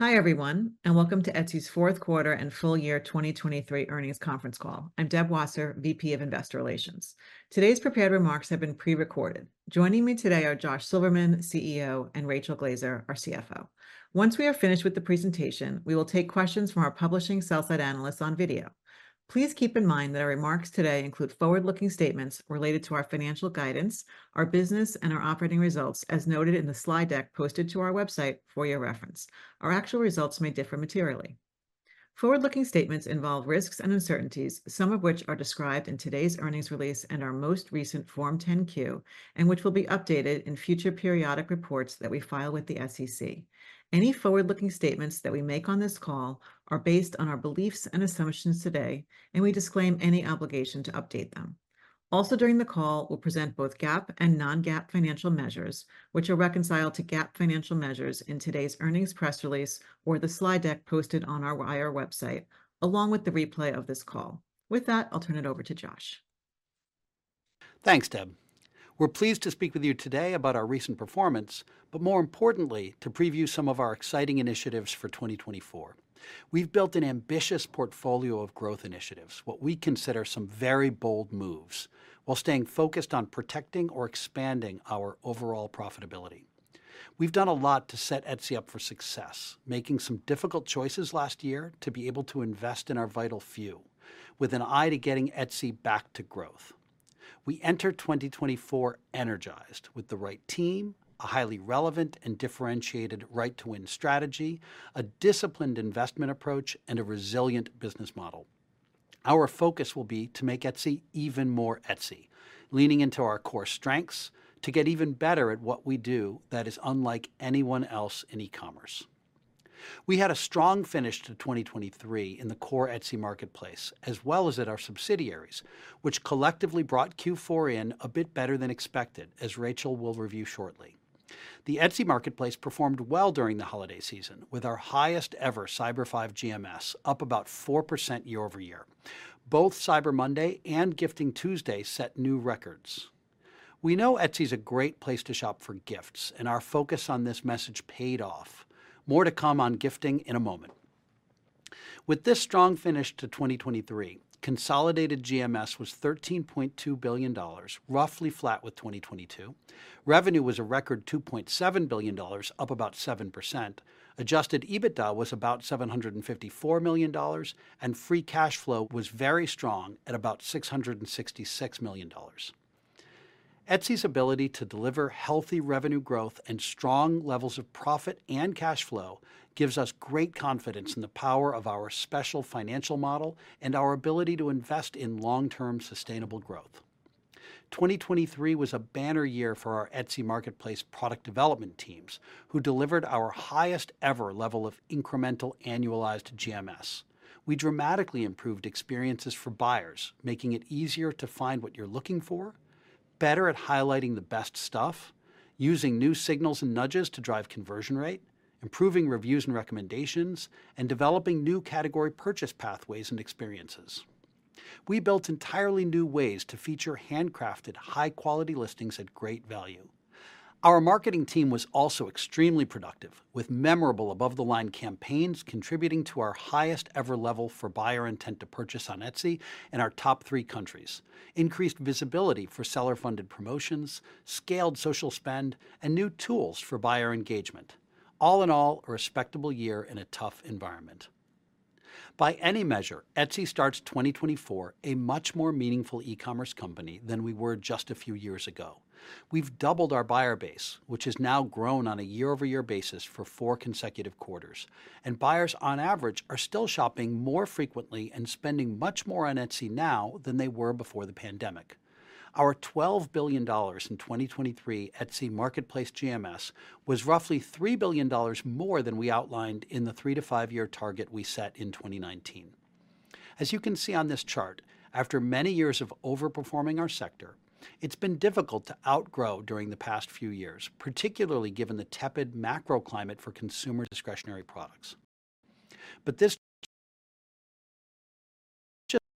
Hi everyone, and welcome to Etsy's fourth quarter and full year 2023 earnings conference call. I'm Deb Wasser, VP of Investor Relations. Today's prepared remarks have been prerecorded. Joining me today are Josh Silverman, CEO, and Rachel Glaser, our CFO. Once we are finished with the presentation, we will take questions from our publishing sell-side analysts on video. Please keep in mind that our remarks today include forward-looking statements related to our financial guidance, our business, and our operating results as noted in the slide deck posted to our website for your reference. Our actual results may differ materially. Forward-looking statements involve risks and uncertainties, some of which are described in today's earnings release and our most recent Form 10-Q, and which will be updated in future periodic reports that we file with the SEC. Any forward-looking statements that we make on this call are based on our beliefs and assumptions today, and we disclaim any obligation to update them. Also during the call, we'll present both GAAP and non-GAAP financial measures, which are reconciled to GAAP financial measures in today's earnings press release or the slide deck posted on our website, along with the replay of this call. With that, I'll turn it over to Josh. Thanks, Deb. We're pleased to speak with you today about our recent performance, but more importantly, to preview some of our exciting initiatives for 2024. We've built an ambitious portfolio of growth initiatives, what we consider some very bold moves, while staying focused on protecting or expanding our overall profitability. We've done a lot to set Etsy up for success, making some difficult choices last year to be able to invest in our vital few, with an eye to getting Etsy back to growth. We enter 2024 energized with the right team, a highly relevant and differentiated right-to-win strategy, a disciplined investment approach, and a resilient business model. Our focus will be to make Etsy even more Etsy, leaning into our core strengths to get even better at what we do that is unlike anyone else in e-commerce. We had a strong finish to 2023 in the core Etsy marketplace, as well as at our subsidiaries, which collectively brought Q4 in a bit better than expected, as Rachel will review shortly. The Etsy marketplace performed well during the holiday season, with our highest ever Cyber 5 GMS up about 4% year-over-year. Both Cyber Monday and Giving Tuesday set new records. We know Etsy's a great place to shop for gifts, and our focus on this message paid off. More to come on gifting in a moment. With this strong finish to 2023, consolidated GMS was $13.2 billion, roughly flat with 2022. Revenue was a record $2.7 billion, up about 7%. Adjusted EBITDA was about $754 million, and free cash flow was very strong at about $666 million. Etsy's ability to deliver healthy revenue growth and strong levels of profit and cash flow gives us great confidence in the power of our special financial model and our ability to invest in long-term sustainable growth. 2023 was a banner year for our Etsy marketplace product development teams, who delivered our highest ever level of incremental annualized GMS. We dramatically improved experiences for buyers, making it easier to find what you're looking for, better at highlighting the best stuff, using new signals and nudges to drive conversion rate, improving reviews and recommendations, and developing new category purchase pathways and experiences. We built entirely new ways to feature handcrafted, high-quality listings at great value. Our marketing team was also extremely productive, with memorable above-the-line campaigns contributing to our highest ever level for buyer intent to purchase on Etsy in our top three countries, increased visibility for seller-funded promotions, scaled social spend, and new tools for buyer engagement. All in all, a respectable year in a tough environment. By any measure, Etsy starts 2024 a much more meaningful e-commerce company than we were just a few years ago. We've doubled our buyer base, which has now grown on a year-over-year basis for four consecutive quarters, and buyers, on average, are still shopping more frequently and spending much more on Etsy now than they were before the pandemic. Our $12 billion in 2023 Etsy marketplace GMS was roughly $3 billion more than we outlined in the three to five-year target we set in 2019. As you can see on this chart, after many years of overperforming our sector, it's been difficult to outgrow during the past few years, particularly given the tepid macro climate for consumer discretionary products. But this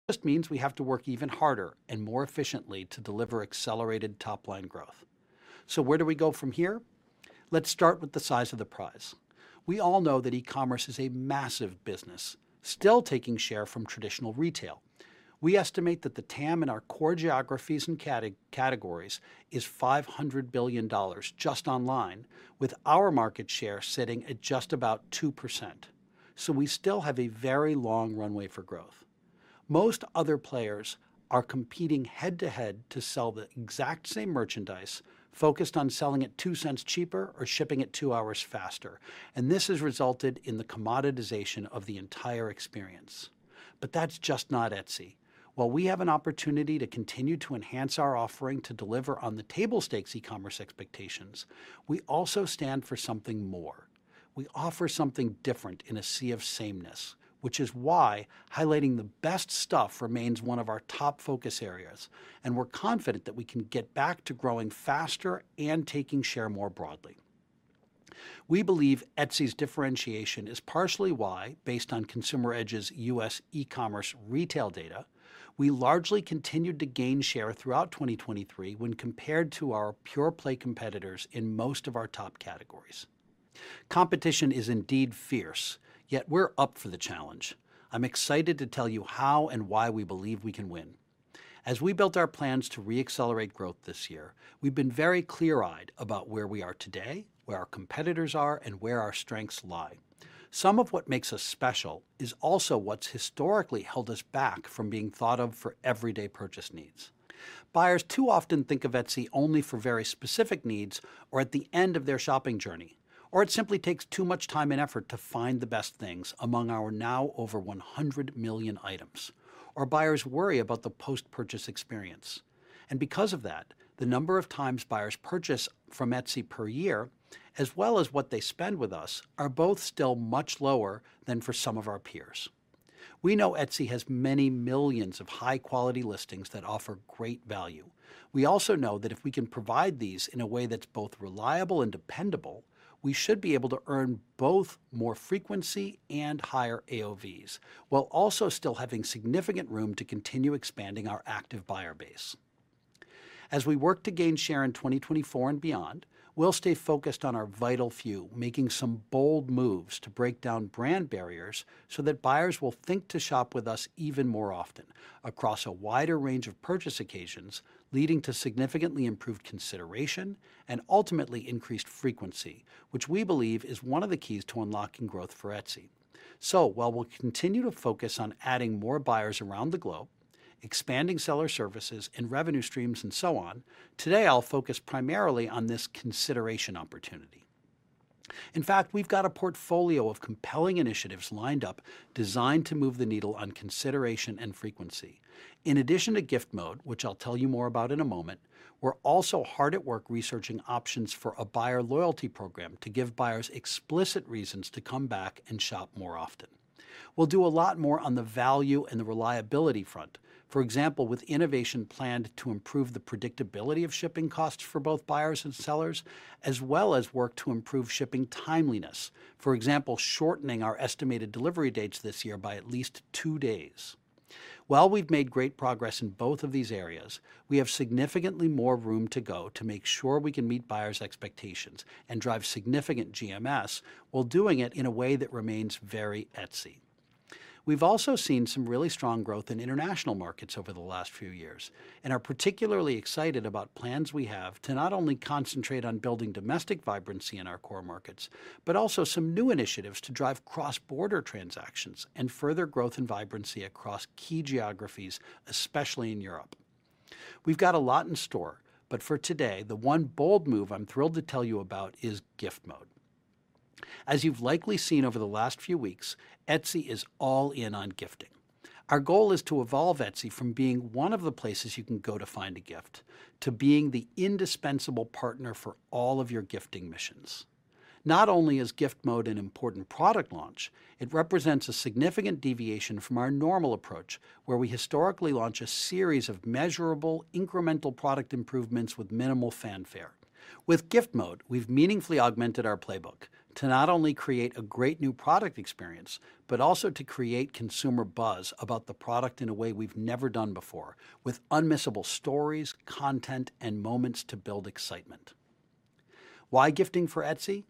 just means we have to work even harder and more efficiently to deliver accelerated top-line growth. So where do we go from here? Let's start with the size of the prize. We all know that e-commerce is a massive business, still taking share from traditional retail. We estimate that the TAM in our core geographies and categories is $500 billion just online, with our market share sitting at just about 2%. So we still have a very long runway for growth. Most other players are competing head-to-head to sell the exact same merchandise, focused on selling it two cents cheaper or shipping it two hours faster, and this has resulted in the commoditization of the entire experience. But that's just not Etsy. While we have an opportunity to continue to enhance our offering to deliver on the table stakes e-commerce expectations, we also stand for something more. We offer something different in a sea of sameness, which is why highlighting the best stuff remains one of our top focus areas, and we're confident that we can get back to growing faster and taking share more broadly. We believe Etsy's differentiation is partially why, based on Consumer Edge's U.S. e-commerce retail data, we largely continued to gain share throughout 2023 when compared to our pure-play competitors in most of our top categories. Competition is indeed fierce, yet we're up for the challenge. I'm excited to tell you how and why we believe we can win. As we built our plans to reaccelerate growth this year, we've been very clear-eyed about where we are today, where our competitors are, and where our strengths lie. Some of what makes us special is also what's historically held us back from being thought of for everyday purchase needs. Buyers too often think of Etsy only for very specific needs or at the end of their shopping journey, or it simply takes too much time and effort to find the best things among our now over 100 million items. Our buyers worry about the post-purchase experience. Because of that, the number of times buyers purchase from Etsy per year, as well as what they spend with us, are both still much lower than for some of our peers. We know Etsy has many millions of high-quality listings that offer great value. We also know that if we can provide these in a way that's both reliable and dependable, we should be able to earn both more frequency and higher AOVs while also still having significant room to continue expanding our active buyer base. As we work to gain share in 2024 and beyond, we'll stay focused on our vital few, making some bold moves to break down brand barriers so that buyers will think to shop with us even more often across a wider range of purchase occasions, leading to significantly improved consideration and ultimately increased frequency, which we believe is one of the keys to unlocking growth for Etsy. While we'll continue to focus on adding more buyers around the globe, expanding seller services, and revenue streams, and so on, today I'll focus primarily on this consideration opportunity. In fact, we've got a portfolio of compelling initiatives lined up designed to move the needle on consideration and frequency. In addition to Gift Mode, which I'll tell you more about in a moment, we're also hard at work researching options for a buyer loyalty program to give buyers explicit reasons to come back and shop more often. We'll do a lot more on the value and the reliability front. For example, with innovation planned to improve the predictability of shipping costs for both buyers and sellers, as well as work to improve shipping timeliness, for example, shortening our estimated delivery dates this year by at least two days. While we've made great progress in both of these areas, we have significantly more room to go to make sure we can meet buyers' expectations and drive significant GMS while doing it in a way that remains very Etsy. We've also seen some really strong growth in international markets over the last few years, and are particularly excited about plans we have to not only concentrate on building domestic vibrancy in our core markets, but also some new initiatives to drive cross-border transactions and further growth and vibrancy across key geographies, especially in Europe. We've got a lot in store, but for today, the one bold move I'm thrilled to tell you about is Gift Mode. As you've likely seen over the last few weeks, Etsy is all in on gifting. Our goal is to evolve Etsy from being one of the places you can go to find a gift to being the indispensable partner for all of your gifting missions. Not only is Gift Mode an important product launch, it represents a significant deviation from our normal approach, where we historically launch a series of measurable incremental product improvements with minimal fanfare. With Gift Mode, we've meaningfully augmented our playbook to not only create a great new product experience, but also to create consumer buzz about the product in a way we've never done before, with unmissable stories, content, and moments to build excitement. Why gifting for Etsy?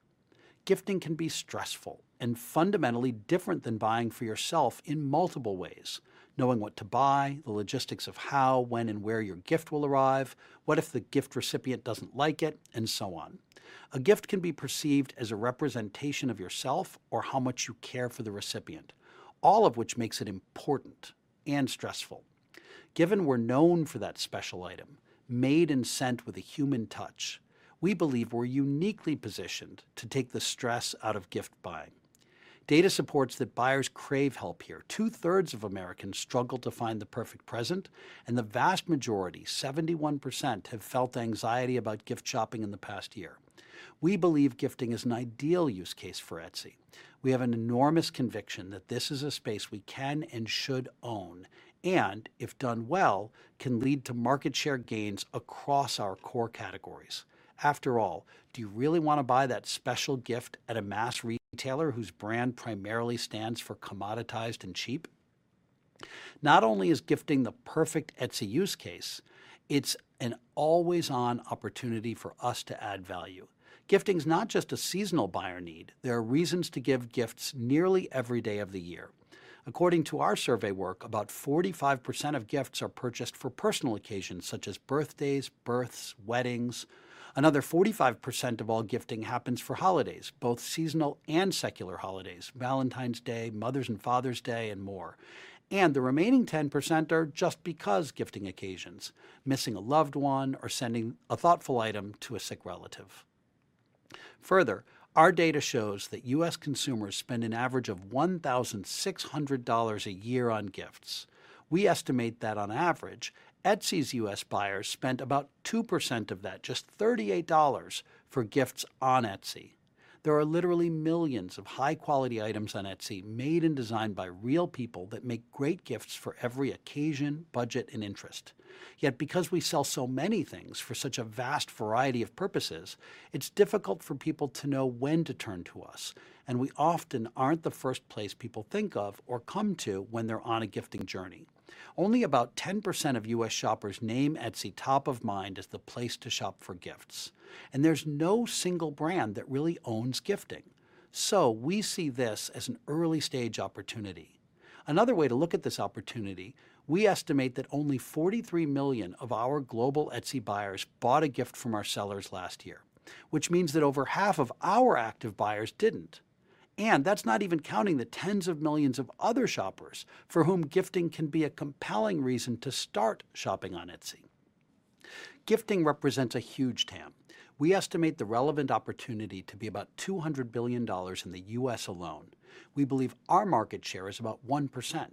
Gifting can be stressful and fundamentally different than buying for yourself in multiple ways, knowing what to buy, the logistics of how, when, and where your gift will arrive, what if the gift recipient doesn't like it, and so on. A gift can be perceived as a representation of yourself or how much you care for the recipient, all of which makes it important and stressful. Given we're known for that special item, made and sent with a human touch, we believe we're uniquely positioned to take the stress out of gift buying. Data supports that buyers crave help here. Two-thirds of Americans struggle to find the perfect present, and the vast majority, 71%, have felt anxiety about gift shopping in the past year. We believe gifting is an ideal use case for Etsy. We have an enormous conviction that this is a space we can and should own and, if done well, can lead to market share gains across our core categories. After all, do you really want to buy that special gift at a mass retailer whose brand primarily stands for commoditized and cheap? Not only is gifting the perfect Etsy use case, it's an always-on opportunity for us to add value. Gifting's not just a seasonal buyer need. There are reasons to give gifts nearly every day of the year. According to our survey work, about 45% of gifts are purchased for personal occasions such as birthdays, births, weddings. Another 45% of all gifting happens for holidays, both seasonal and secular holidays, Valentine's Day, Mother's and Father's Day, and more. The remaining 10% are just because gifting occasions, missing a loved one, or sending a thoughtful item to a sick relative. Further, our data shows that U.S. consumers spend an average of $1,600 a year on gifts. We estimate that on average, Etsy's U.S. buyers spent about 2% of that, just $38, for gifts on Etsy. There are literally millions of high-quality items on Etsy made and designed by real people that make great gifts for every occasion, budget, and interest. Yet because we sell so many things for such a vast variety of purposes, it's difficult for people to know when to turn to us, and we often aren't the first-place people think of or come to when they're on a gifting journey. Only about 10% of U.S. shoppers name Etsy top of mind as the place to shop for gifts, and there's no single brand that really owns gifting. So we see this as an early-stage opportunity. Another way to look at this opportunity, we estimate that only 43 million of our global Etsy buyers bought a gift from our sellers last year, which means that over half of our active buyers didn't. And that's not even counting the tens of millions of other shoppers for whom gifting can be a compelling reason to start shopping on Etsy. Gifting represents a huge TAM. We estimate the relevant opportunity to be about $200 billion in the U.S. alone. We believe our market share is about 1%.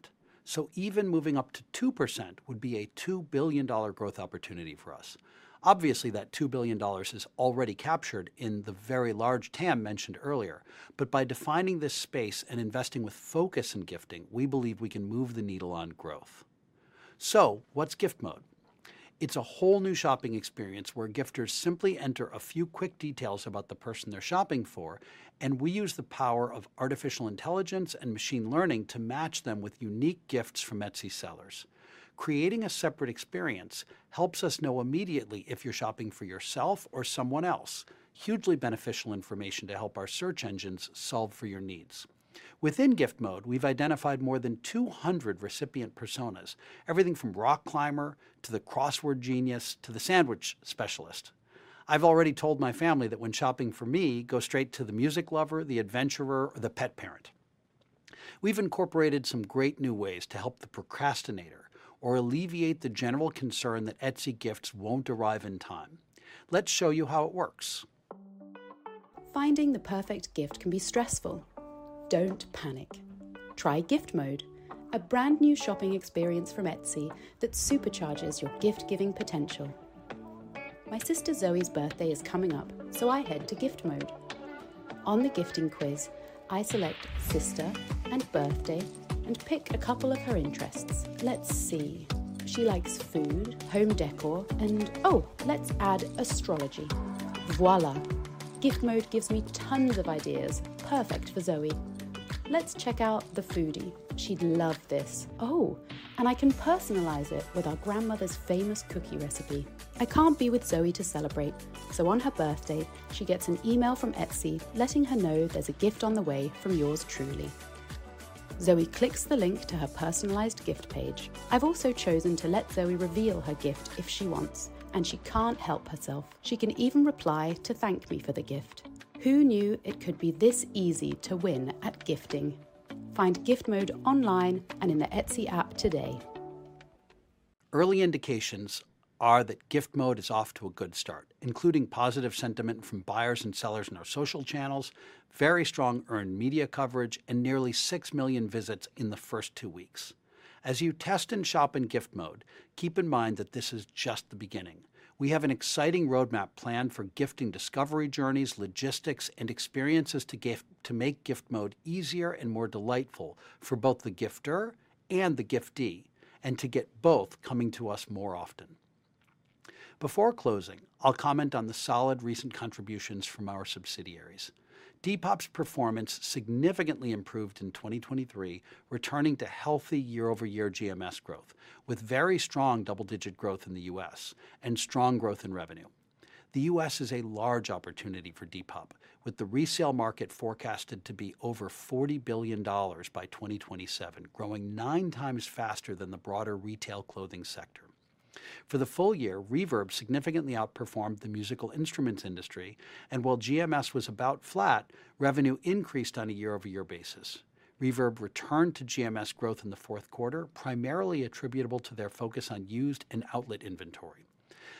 So even moving up to 2% would be a $2 billion growth opportunity for us. Obviously, that $2 billion is already captured in the very large TAM mentioned earlier, but by defining this space and investing with focus in gifting, we believe we can move the needle on growth. So what's Gift Mode? It's a whole new shopping experience where gifters simply enter a few quick details about the person they're shopping for, and we use the power of artificial intelligence and machine learning to match them with unique gifts from Etsy sellers. Creating a separate experience helps us know immediately if you're shopping for yourself or someone else, hugely beneficial information to help our search engines solve for your needs. Within Gift Mode, we've identified more than 200 recipient personas, everything from rock climber to the crossword genius to the sandwich specialist. I've already told my family that when shopping for me, go straight to the music lover, the adventurer, or the pet parent. We've incorporated some great new ways to help the procrastinator or alleviate the general concern that Etsy gifts won't arrive in time. Let's show you how it works. Finding the perfect gift can be stressful. Don't panic. Try Gift Mode, a brand-new shopping experience from Etsy that supercharges your gift-giving potential. My sister Zoe's birthday is coming up, so I head to Gift Mode. On the gifting quiz, I select sister and birthday and pick a couple of her interests. Let's see. She likes food, home decor, and oh, let's add astrology. Voilà! Gift Mode gives me tons of ideas. Perfect for Zoe. Let's check out the foodie. She'd love this. Oh, and I can personalize it with our grandmother's famous cookie recipe. I can't be with Zoe to celebrate, so on her birthday, she gets an email from Etsy letting her know there's a gift on the way from yours truly. Zoe clicks the link to her personalized gift page. I've also chosen to let Zoe reveal her gift if she wants, and she can't help herself. She can even reply to thank me for the gift. Who knew it could be this easy to win at gifting? Find Gift Mode online and in the Etsy app today. Early indications are that Gift Mode is off to a good start, including positive sentiment from buyers and sellers in our social channels, very strong earned media coverage, and nearly six million visits in the first two weeks. As you test and shop in Gift Mode, keep in mind that this is just the beginning. We have an exciting roadmap planned for gifting discovery journeys, logistics, and experiences to make Gift Mode easier and more delightful for both the gifter and the giftee, and to get both coming to us more often. Before closing, I'll comment on the solid recent contributions from our subsidiaries. Depop's performance significantly improved in 2023, returning to healthy year-over-year GMS growth with very strong double-digit growth in the U.S. and strong growth in revenue. The U.S. is a large opportunity for Depop, with the resale market forecasted to be over $40 billion by 2027, growing nine times faster than the broader retail clothing sector. For the full year, Reverb significantly outperformed the musical instruments industry, and while GMS was about flat, revenue increased on a year-over-year basis. Reverb returned to GMS growth in the fourth quarter, primarily attributable to their focus on used and outlet inventory.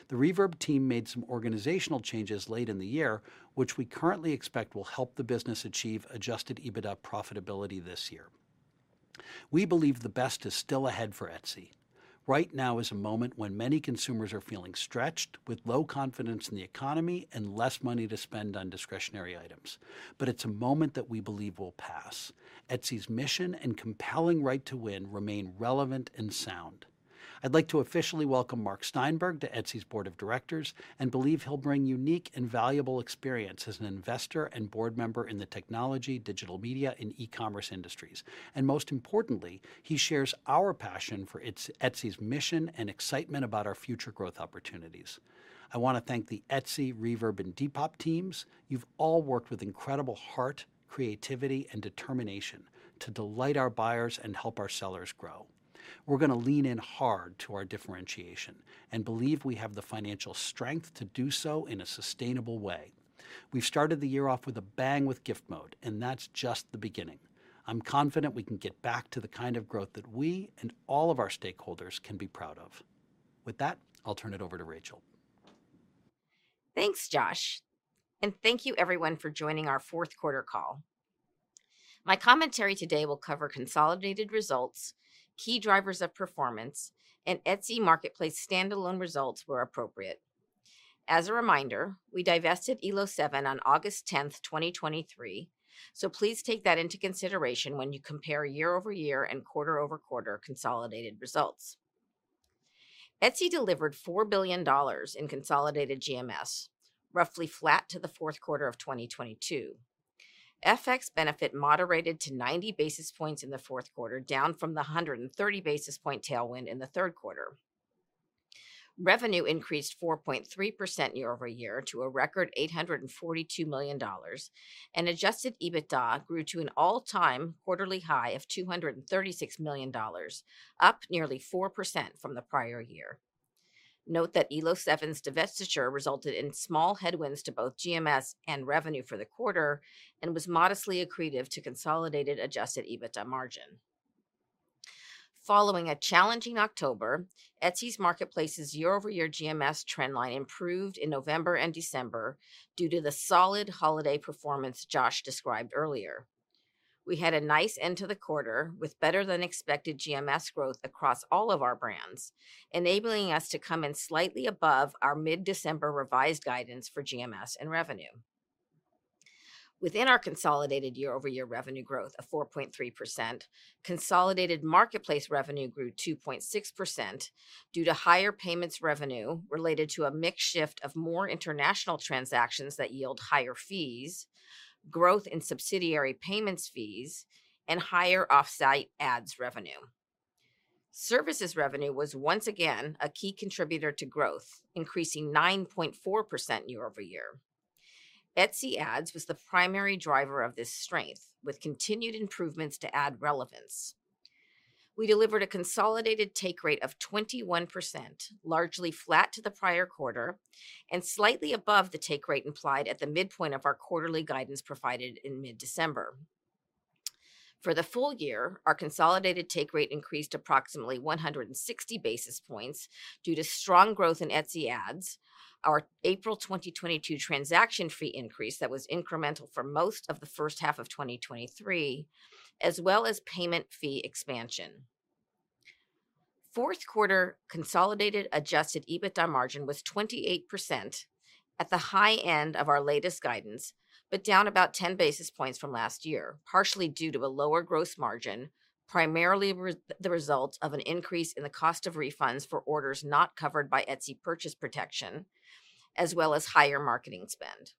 The Reverb team made some organizational changes late in the year, which we currently expect will help the business achieve adjusted EBITDA profitability this year. We believe the best is still ahead for Etsy. Right now is a moment when many consumers are feeling stretched with low confidence in the economy and less money to spend on discretionary items, but it's a moment that we believe will pass. Etsy's mission and compelling right to win remain relevant and sound. I'd like to officially welcome Marc Steinberg to Etsy's board of directors and believe he'll bring unique and valuable experience as an investor and board member in the technology, digital media, and e-commerce industries. And most importantly, he shares our passion for Etsy's mission and excitement about our future growth opportunities. I want to thank the Etsy, Reverb, and Depop teams. You've all worked with incredible heart, creativity, and determination to delight our buyers and help our sellers grow. We're going to lean in hard to our differentiation and believe we have the financial strength to do so in a sustainable way. We've started the year off with a bang with Gift Mode, and that's just the beginning. I'm confident we can get back to the kind of growth that we and all of our stakeholders can be proud of. With that, I'll turn it over to Rachel. Thanks, Josh, and thank you everyone for joining our fourth quarter call. My commentary today will cover consolidated results, key drivers of performance, and Etsy marketplace standalone results where appropriate. As a reminder, we divested Elo7 on August 10th, 2023, so please take that into consideration when you compare year-over-year and quarter-over-quarter consolidated results. Etsy delivered $4 billion in consolidated GMS, roughly flat to the fourth quarter of 2022. FX benefit moderated to 90 basis points in the fourth quarter, down from the 130 basis points tailwind in the third quarter. Revenue increased 4.3% year-over-year to a record $842 million, and adjusted EBITDA grew to an all-time quarterly high of $236 million, up nearly 4% from the prior year. Note that Elo7's divestiture resulted in small headwinds to both GMS and revenue for the quarter and was modestly accretive to consolidated adjusted EBITDA margin. Following a challenging October, Etsy's marketplace's year-over-year GMS trendline improved in November and December due to the solid holiday performance Josh described earlier. We had a nice end to the quarter with better-than-expected GMS growth across all of our brands, enabling us to come in slightly above our mid-December revised guidance for GMS and revenue. Within our consolidated year-over-year revenue growth of 4.3%, consolidated marketplace revenue grew 2.6% due to higher payments revenue related to a mixed shift of more international transactions that yield higher fees, growth in subsidiary payments fees, and higher Offsite Ads revenue. Services revenue was once again a key contributor to growth, increasing 9.4% year-over-year. Etsy Ads was the primary driver of this strength, with continued improvements to add relevance. We delivered a consolidated take rate of 21%, largely flat to the prior quarter and slightly above the take rate implied at the midpoint of our quarterly guidance provided in mid-December. For the full year, our consolidated take rate increased approximately 160 basis points due to strong growth in Etsy Ads, our April 2022 transaction fee increase that was incremental for most of the first half of 2023, as well as payment fee expansion. Fourth quarter consolidated Adjusted EBITDA margin was 28% at the high end of our latest guidance, but down about 10 basis points from last year, partially due to a lower gross margin, primarily the result of an increase in the cost of refunds for orders not covered by Etsy Purchase Protection, as well as higher marketing spend.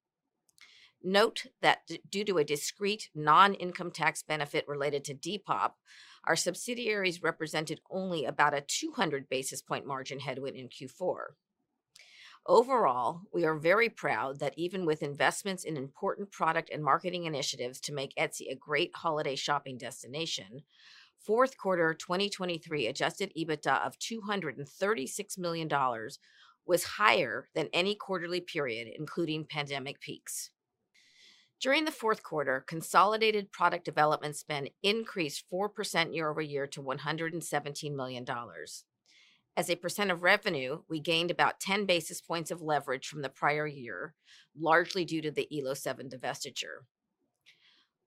Note that due to a discrete non-income tax benefit related to Depop, our subsidiaries represented only about a 200 basis point margin headwind in Q4. Overall, we are very proud that even with investments in important product and marketing initiatives to make Etsy a great holiday shopping destination, fourth quarter 2023 adjusted EBITDA of $236 million was higher than any quarterly period, including pandemic peaks. During the fourth quarter, consolidated product development spend increased 4% year-over-year to $117 million. As a percent of revenue, we gained about 10 basis points of leverage from the prior year, largely due to the Elo7 divestiture.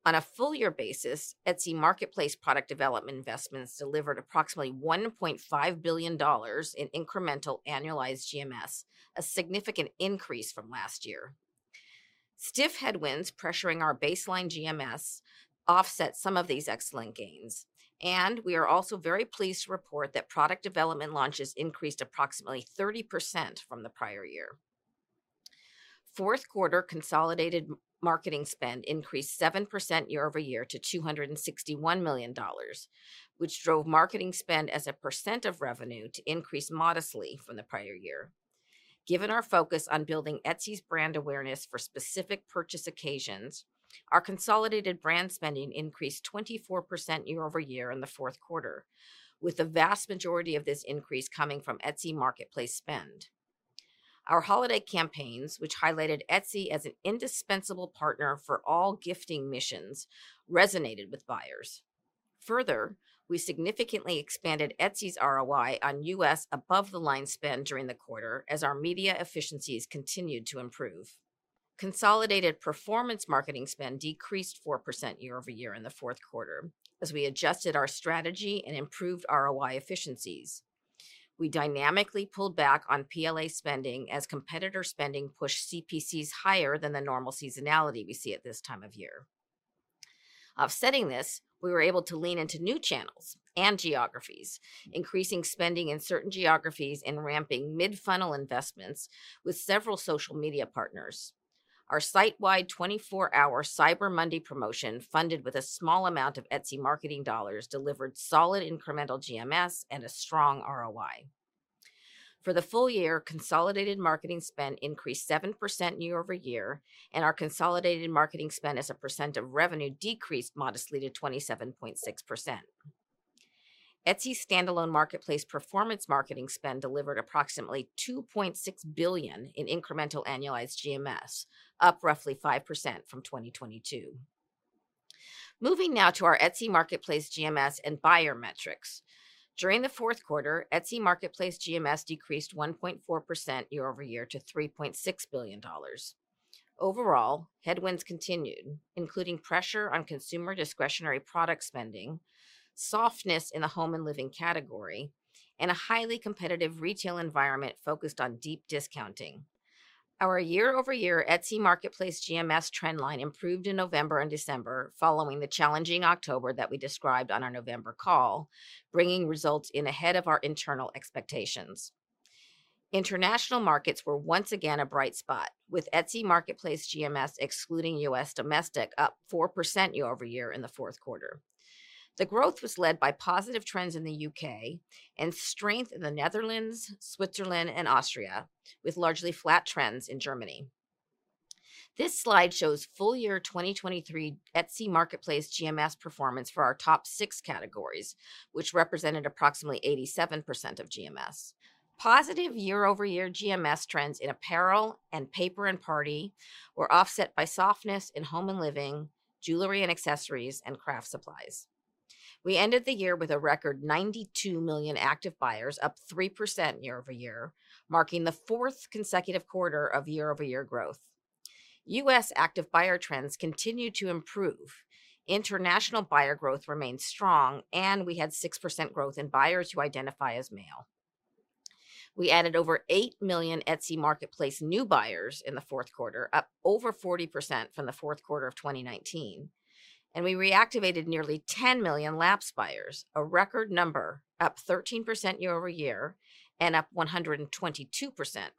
On a full-year basis, Etsy marketplace product development investments delivered approximately $1.5 billion in incremental annualized GMS, a significant increase from last year. Stiff headwinds pressuring our baseline GMS offset some of these excellent gains, and we are also very pleased to report that product development launches increased approximately 30% from the prior year. Fourth quarter consolidated marketing spend increased 7% year-over-year to $261 million, which drove marketing spend as a percent of revenue to increase modestly from the prior year. Given our focus on building Etsy's brand awareness for specific purchase occasions, our consolidated brand spending increased 24% year-over-year in the fourth quarter, with the vast majority of this increase coming from Etsy marketplace spend. Our holiday campaigns, which highlighted Etsy as an indispensable partner for all gifting missions, resonated with buyers. Further, we significantly expanded Etsy's ROI on U.S. above-the-line spend during the quarter as our media efficiencies continued to improve. Consolidated performance marketing spend decreased 4% year-over-year in the fourth quarter as we adjusted our strategy and improved ROI efficiencies. We dynamically pulled back on PLA spending as competitor spending pushed CPCs higher than the normal seasonality we see at this time of year. Offsetting this, we were able to lean into new channels and geographies, increasing spending in certain geographies and ramping mid-funnel investments with several social media partners. Our site-wide 24-hour Cyber Monday promotion, funded with a small amount of Etsy marketing dollars, delivered solid incremental GMS and a strong ROI. For the full year, consolidated marketing spend increased 7% year-over-year, and our consolidated marketing spend as a percent of revenue decreased modestly to 27.6%. Etsy standalone marketplace performance marketing spend delivered approximately $2.6 billion in incremental annualized GMS, up roughly 5% from 2022. Moving now to our Etsy marketplace GMS and buyer metrics. During the fourth quarter, Etsy marketplace GMS decreased 1.4% year-over-year to $3.6 billion. Overall, headwinds continued, including pressure on consumer discretionary product spending, softness in the home and living category, and a highly competitive retail environment focused on deep discounting. Our year-over-year Etsy marketplace GMS trendline improved in November and December following the challenging October that we described on our November call, bringing results in ahead of our internal expectations. International markets were once again a bright spot, with Etsy marketplace GMS excluding U.S. domestic, up 4% year-over-year in the fourth quarter. The growth was led by positive trends in the U.K. and strength in the Netherlands, Switzerland, and Austria, with largely flat trends in Germany. This slide shows full-year 2023 Etsy marketplace GMS performance for our top six categories, which represented approximately 87% of GMS. Positive year-over-year GMS trends in apparel and paper and party were offset by softness in home and living, jewelry and accessories, and craft supplies. We ended the year with a record 92 million active buyers, up 3% year-over-year, marking the fourth consecutive quarter of year-over-year growth. U.S. active buyer trends continued to improve. International buyer growth remained strong, and we had 6% growth in buyers who identify as male. We added over 8 million Etsy marketplace new buyers in the fourth quarter, up over 40% from the fourth quarter of 2019. We reactivated nearly 10 million lapse buyers, a record number, up 13% year-over-year and up 122%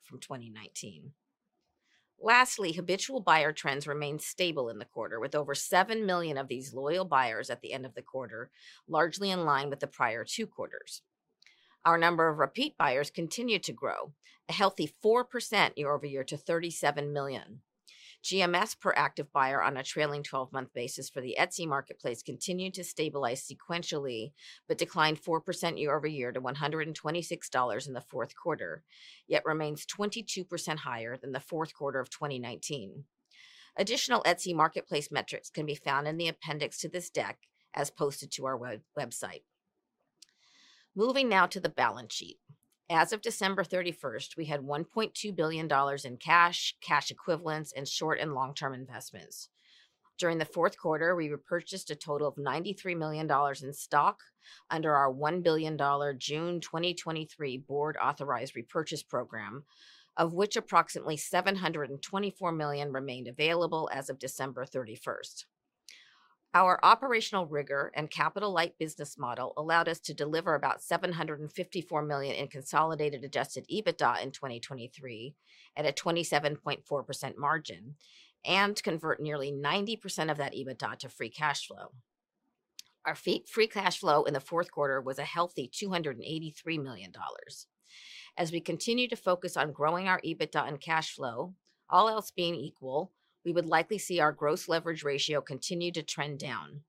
from 2019. Lastly, habitual buyer trends remained stable in the quarter, with over 7 million of these loyal buyers at the end of the quarter, largely in line with the prior two quarters. Our number of repeat buyers continued to grow, a healthy 4% year-over-year to 37 million. GMS per active buyer on a trailing 12-month basis for the Etsy marketplace continued to stabilize sequentially, but declined 4% year-over-year to $126 in the fourth quarter, yet remains 22% higher than the fourth quarter of 2019. Additional Etsy marketplace metrics can be found in the appendix to this deck as posted to our website. Moving now to the balance sheet. As of December 31st, we had $1.2 billion in cash, cash equivalents, and short and long-term investments. During the fourth quarter, we repurchased a total of $93 million in stock under our $1 billion June 2023 board-authorized repurchase program, of which approximately $724 million remained available as of December 31st. Our operational rigor and capital-light business model allowed us to deliver about $754 million in consolidated adjusted EBITDA in 2023 at a 27.4% margin and convert nearly 90% of that EBITDA to free cash flow. Our free cash flow in the fourth quarter was a healthy $283 million. As we continue to focus on growing our EBITDA and cash flow, all else being equal, we would likely see our gross leverage ratio continue to trend down.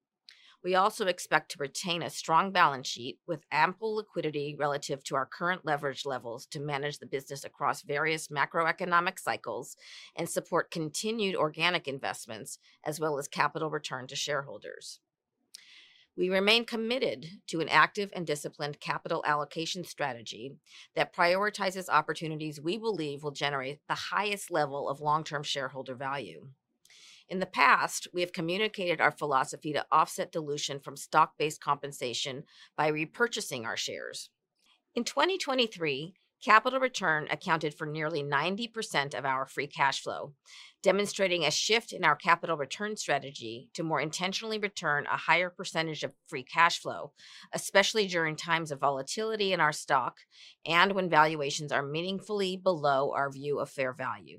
We also expect to retain a strong balance sheet with ample liquidity relative to our current leverage levels to manage the business across various macroeconomic cycles and support continued organic investments as well as capital return to shareholders. We remain committed to an active and disciplined capital allocation strategy that prioritizes opportunities we believe will generate the highest level of long-term shareholder value. In the past, we have communicated our philosophy to offset dilution from stock-based compensation by repurchasing our shares. In 2023, capital return accounted for nearly 90% of our Free Cash Flow, demonstrating a shift in our capital return strategy to more intentionally return a higher percentage of Free Cash Flow, especially during times of volatility in our stock and when valuations are meaningfully below our view of fair value.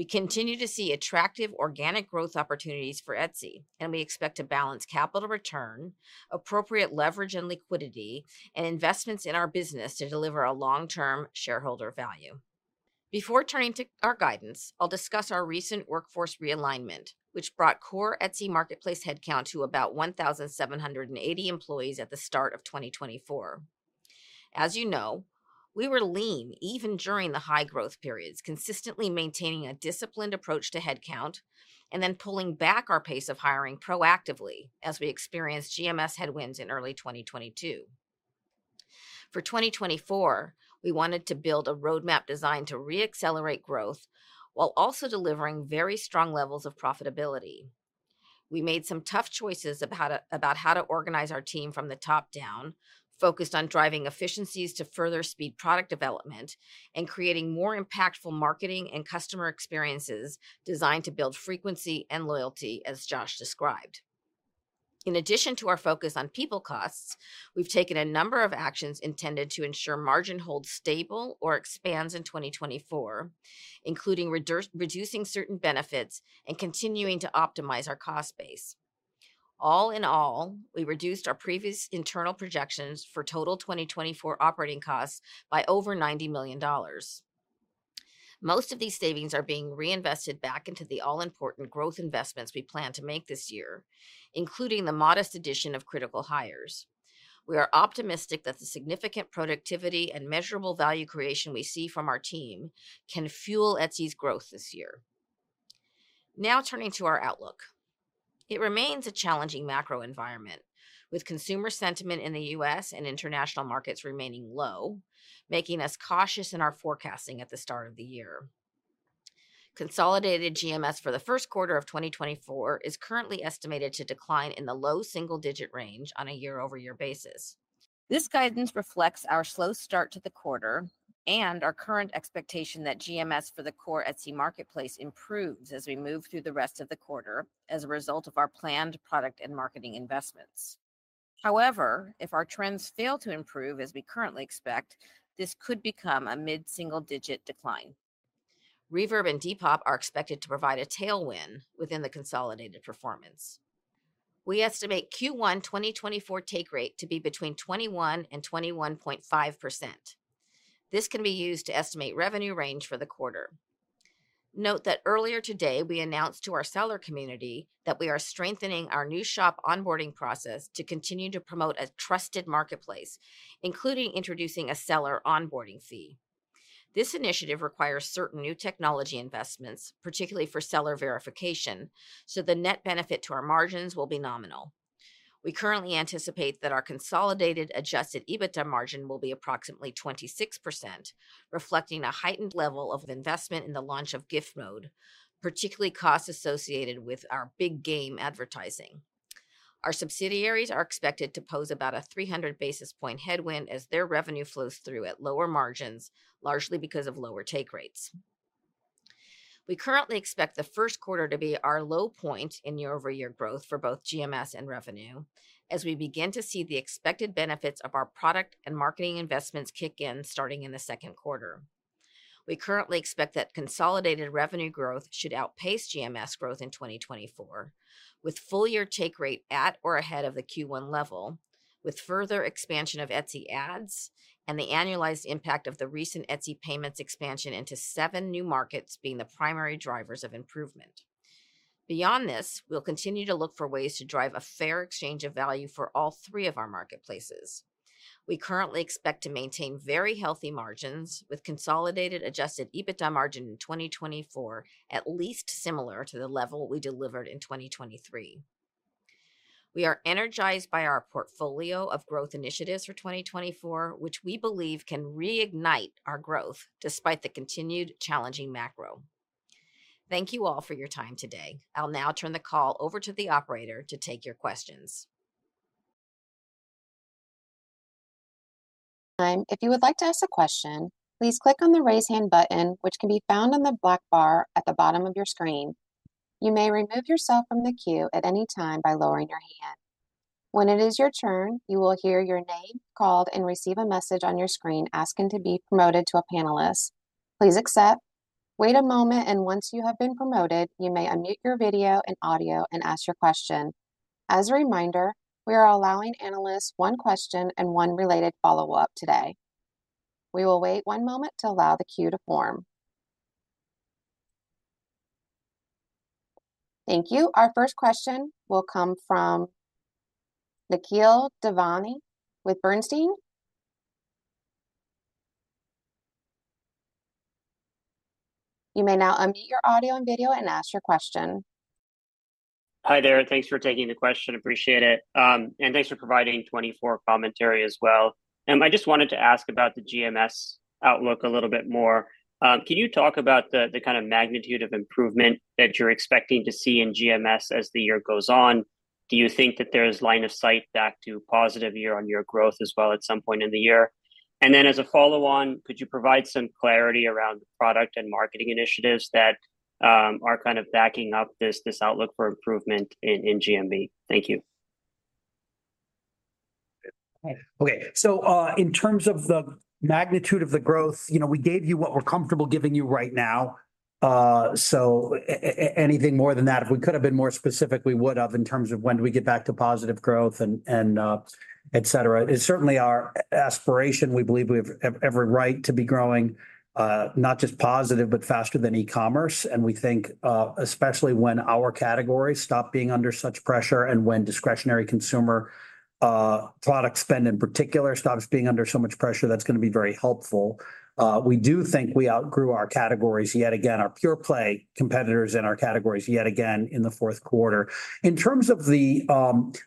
We continue to see attractive organic growth opportunities for Etsy, and we expect to balance capital return, appropriate leverage and liquidity, and investments in our business to deliver long-term shareholder value. Before turning to our guidance, I'll discuss our recent workforce realignment, which brought core Etsy marketplace headcount to about 1,780 employees at the start of 2024. As you know, we were lean even during the high growth periods, consistently maintaining a disciplined approach to headcount and then pulling back our pace of hiring proactively as we experienced GMS headwinds in early 2022. For 2024, we wanted to build a roadmap designed to reaccelerate growth while also delivering very strong levels of profitability. We made some tough choices about how to organize our team from the top down, focused on driving efficiencies to further speed product development and creating more impactful marketing and customer experiences designed to build frequency and loyalty, as Josh described. In addition to our focus on people costs, we've taken a number of actions intended to ensure margin holds stable or expands in 2024, including reducing certain benefits and continuing to optimize our cost base. All in all, we reduced our previous internal projections for total 2024 operating costs by over $90 million. Most of these savings are being reinvested back into the all-important growth investments we plan to make this year, including the modest addition of critical hires. We are optimistic that the significant productivity and measurable value creation we see from our team can fuel Etsy's growth this year. Now turning to our outlook. It remains a challenging macro environment, with consumer sentiment in the U.S. and international markets remaining low, making us cautious in our forecasting at the start of the year. Consolidated GMS for the first quarter of 2024 is currently estimated to decline in the low-single digit range on a year-over-year basis. This guidance reflects our slow start to the quarter and our current expectation that GMS for the core Etsy marketplace improves as we move through the rest of the quarter as a result of our planned product and marketing investments. However, if our trends fail to improve as we currently expect, this could become a mid-single-digit decline. Reverb and Depop are expected to provide a tailwind within the consolidated performance. We estimate Q1 2024 take rate to be between 21%-21.5%. This can be used to estimate revenue range for the quarter. Note that earlier today we announced to our seller community that we are strengthening our new shop onboarding process to continue to promote a trusted marketplace, including introducing a seller onboarding fee. This initiative requires certain new technology investments, particularly for seller verification, so the net benefit to our margins will be nominal. We currently anticipate that our consolidated Adjusted EBITDA margin will be approximately 26%, reflecting a heightened level of investment in the launch of Gift Mode, particularly costs associated with our Big Game advertising. Our subsidiaries are expected to pose about a 300 basis point headwind as their revenue flows through at lower margins, largely because of lower take rates. We currently expect the first quarter to be our low point in year-over-year growth for both GMS and revenue, as we begin to see the expected benefits of our product and marketing investments kick in starting in the second quarter. We currently expect that consolidated revenue growth should outpace GMS growth in 2024, with full-year take rate at or ahead of the Q1 level, with further expansion of Etsy Ads and the annualized impact of the recent Etsy Payments expansion into seven new markets being the primary drivers of improvement. Beyond this, we'll continue to look for ways to drive a fair exchange of value for all three of our marketplaces. We currently expect to maintain very healthy margins with consolidated Adjusted EBITDA margin in 2024 at least similar to the level we delivered in 2023. We are energized by our portfolio of growth initiatives for 2024, which we believe can reignite our growth despite the continued challenging macro. Thank you all for your time today. I'll now turn the call over to the operator to take your questions. If you would like to ask a question, please click on the raise hand button, which can be found on the black bar at the bottom of your screen. You may remove yourself from the queue at any time by lowering your hand. When it is your turn, you will hear your name called and receive a message on your screen asking to be promoted to a panelist. Please accept. Wait a moment, and once you have been promoted, you may unmute your video and audio and ask your question. As a reminder, we are allowing analysts one question and one related follow-up today. We will wait one moment to allow the queue to form. Thank you. Our first question will come from Nikhil Devnani with Bernstein. You may now unmute your audio and video and ask your question. Hi there. Thanks for taking the question. Appreciate it. And thanks for providing 2024 commentary as well. And I just wanted to ask about the GMS outlook a little bit more. Can you talk about the kind of magnitude of improvement that you're expecting to see in GMS as the year goes on? Do you think that there's line of sight back to positive year-on-year growth as well at some point in the year? And then as a follow-on, could you provide some clarity around the product and marketing initiatives that are kind of backing up this outlook for improvement in GMS? Thank you. Okay. In terms of the magnitude of the growth, we gave you what we're comfortable giving you right now. Anything more than that, if we could have been more specific, we would have in terms of when we get back to positive growth, etc. It's certainly our aspiration. We believe we have every right to be growing, not just positive, but faster than e-commerce. We think, especially when our category stopped being under such pressure and when discretionary consumer product spend in particular stops being under so much pressure, that's going to be very helpful. We do think we outgrew our categories yet again, our pure-play competitors in our categories yet again in the fourth quarter. In terms of the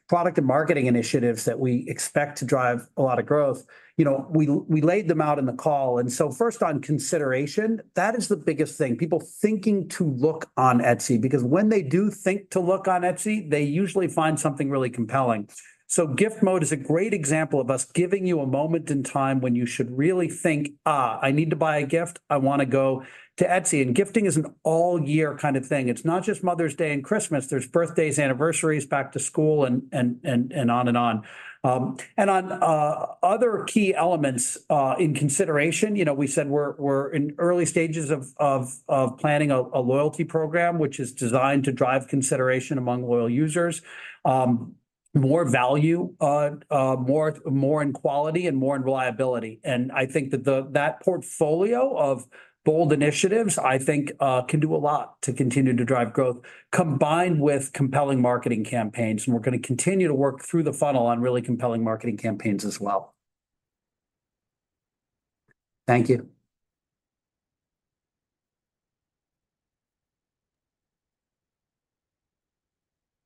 product and marketing initiatives that we expect to drive a lot of growth, we laid them out in the call. And so first, on consideration, that is the biggest thing, people thinking to look on Etsy. Because when they do think to look on Etsy, they usually find something really compelling. So Gift Mode is a great example of us giving you a moment in time when you should really think, I need to buy a gift. I want to go to Etsy. And gifting is an all-year kind of thing. It's not just Mother's Day and Christmas. There're birthdays, anniversaries, back to school, and on and on. And on other key elements in consideration, we said we're in early stages of planning a loyalty program, which is designed to drive consideration among loyal users, more value, more in quality, and more in reliability. And I think that that portfolio of bold initiatives, I think, can do a lot to continue to drive growth combined with compelling marketing campaigns. And we're going to continue to work through the funnel on really compelling marketing campaigns as well. Thank you.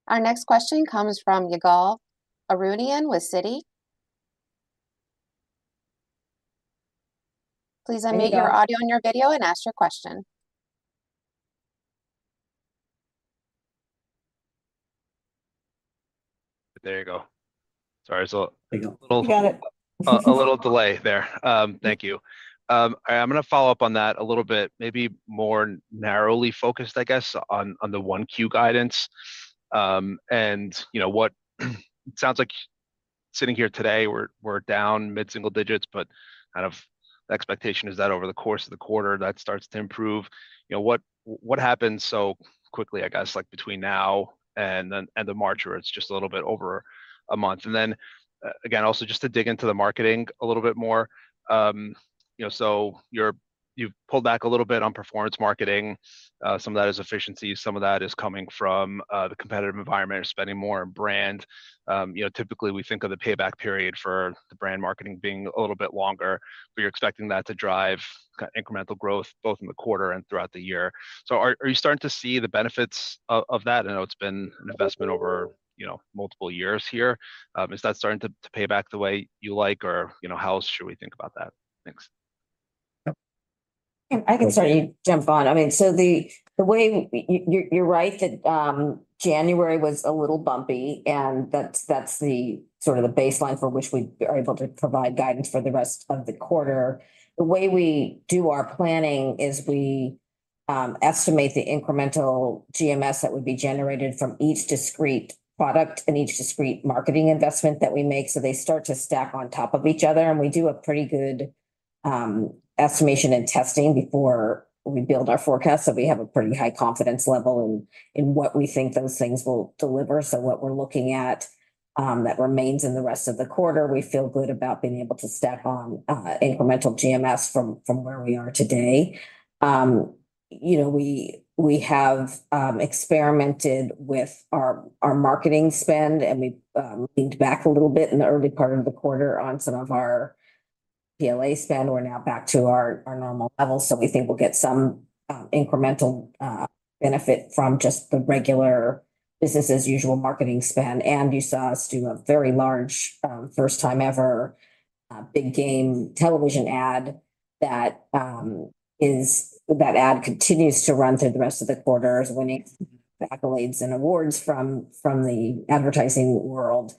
Our next question comes from Ygal Arounian with Citi. Please unmute your audio and your video and ask your question. There you go. Sorry. It's a little delay there. Thank you. All right. I'm going to follow up on that a little bit, maybe more narrowly focused, I guess, on the Q1 guidance and what it sounds like sitting here today, we're down mid-single digits, but kind of the expectation is that over the course of the quarter, that starts to improve. What happens so quickly, I guess, between now and the March where it's just a little bit over a month? And then again, also just to dig into the marketing a little bit more. So you've pulled back a little bit on performance marketing. Some of that is efficiency. Some of that is coming from the competitive environment or spending more on brand. Typically, we think of the payback period for the brand marketing being a little bit longer, but you're expecting that to drive incremental growth both in the quarter and throughout the year. So are you starting to see the benefits of that? I know it's been an investment over multiple years here. Is that starting to pay back the way you like, or how should we think about that? Thanks. I can start to jump on. I mean, so the way you're right that January was a little bumpy, and that's sort of the baseline for which we are able to provide guidance for the rest of the quarter. The way we do our planning is we estimate the incremental GMS that would be generated from each discrete product and each discrete marketing investment that we make. So they start to stack on top of each other, and we do a pretty good estimation and testing before we build our forecast. So we have a pretty high confidence level in what we think those things will deliver. So what we're looking at that remains in the rest of the quarter, we feel good about being able to stack on incremental GMS from where we are today. We have experimented with our marketing spend, and we leaned back a little bit in the early part of the quarter on some of our PLA spend. We're now back to our normal level. So we think we'll get some incremental benefit from just the regular business-as-usual marketing spend. You saw us do a very large, first-time-ever Big Game television ad that continues to run through the rest of the quarter, winning accolades and awards from the advertising world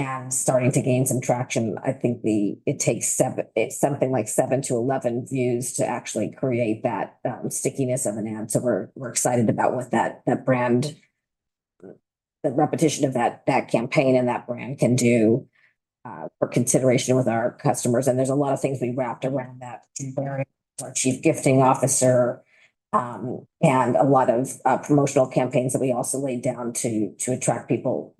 and starting to gain some traction. I think it takes something like 7-11 views to actually create that stickiness of an ad. We're excited about what that brand, the repetition of that campaign and that brand can do for consideration with our customers. There's a lot of things we wrapped around that, our Chief Gifting Officer, and a lot of promotional campaigns that we also laid down to attract people.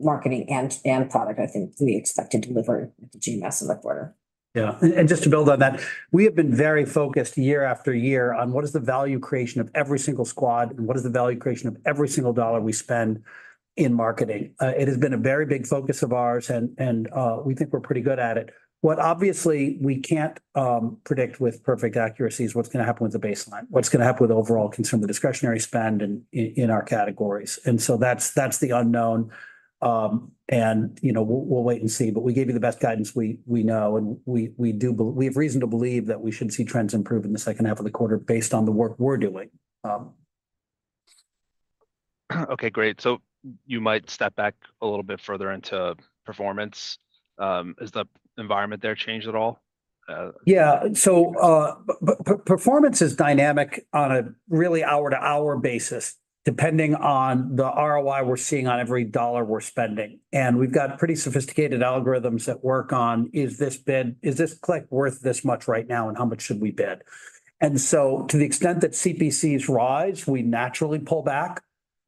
Marketing and product, I think, we expect to deliver the GMS in the quarter. Yeah. And just to build on that, we have been very focused year after year on what is the value creation of every single squad, and what is the value creation of every single dollar we spend in marketing. It has been a very big focus of ours, and we think we're pretty good at it. What obviously we can't predict with perfect accuracy is what's going to happen with the baseline, what's going to happen with overall consumer discretionary spend in our categories. And so that's the unknown, and we'll wait and see. But we gave you the best guidance we know, and we have reason to believe that we should see trends improve in the second half of the quarter based on the work we're doing. Okay. Great. So you might step back a little bit further into performance. Has the environment there changed at all? Yeah. So performance is dynamic on a really hour-to-hour basis, depending on the ROI we're seeing on every dollar we're spending. And we've got pretty sophisticated algorithms that work on, is this bid worth this much right now, and how much should we bid? And so to the extent that CPCs rise, we naturally pull back.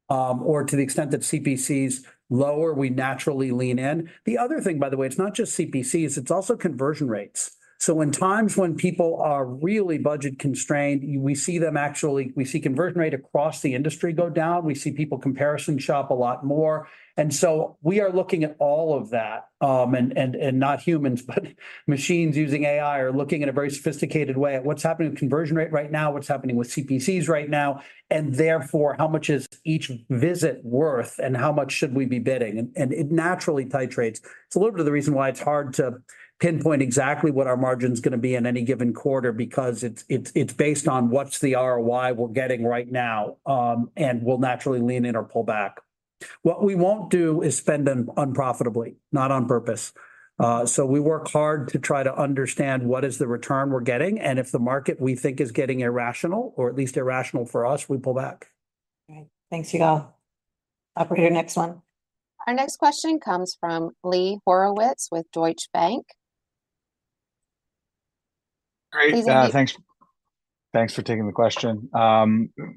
Or to the extent that CPCs lower, we naturally lean in. The other thing, by the way, it's not just CPCs. It's also conversion rates. So in times when people are really budget-constrained, we see conversion rate across the industry go down. We see people comparison shop a lot more. And so we are looking at all of that. And not humans, but machines using AI are looking in a very sophisticated way at what's happening with conversion rate right now, what's happening with CPCs right now, and therefore, how much is each visit worth, and how much should we be bidding? And it naturally titrates. It's a little bit of the reason why it's hard to pinpoint exactly what our margin is going to be in any given quarter, because it's based on what's the ROI we're getting right now, and we'll naturally lean in or pull back. What we won't do is spend unprofitably, not on purpose. So we work hard to try to understand what is the return we're getting. And if the market we think is getting irrational, or at least irrational for us, we pull back. All right. Thanks, Ygal. Operator, next one. Our next question comes from Lee Horowitz with Deutsche Bank. Great. Thanks for taking the question.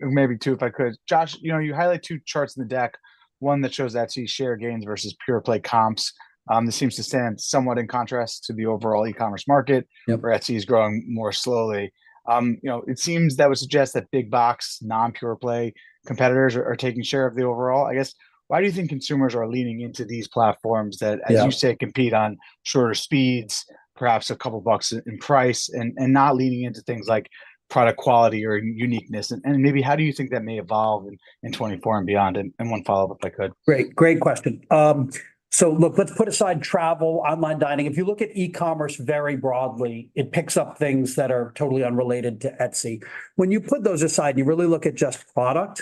Maybe two, if I could. Josh, you highlight two charts in the deck, one that shows Etsy share gains versus pure-play comps. This seems to stand somewhat in contrast to the overall e-commerce market, where Etsy is growing more slowly. It seems that would suggest that big box, non-pure-play competitors are taking share of the overall. I guess, why do you think consumers are leaning into these platforms that, as you say, compete on shorter speeds, perhaps a couple of bucks in price, and not leaning into things like product quality or uniqueness? And maybe, how do you think that may evolve in 2024 and beyond? And one follow-up, if I could. Great. Great question. So look, let's put aside travel, online dining. If you look at e-commerce very broadly, it picks up things that are totally unrelated to Etsy. When you put those aside and you really look at just product,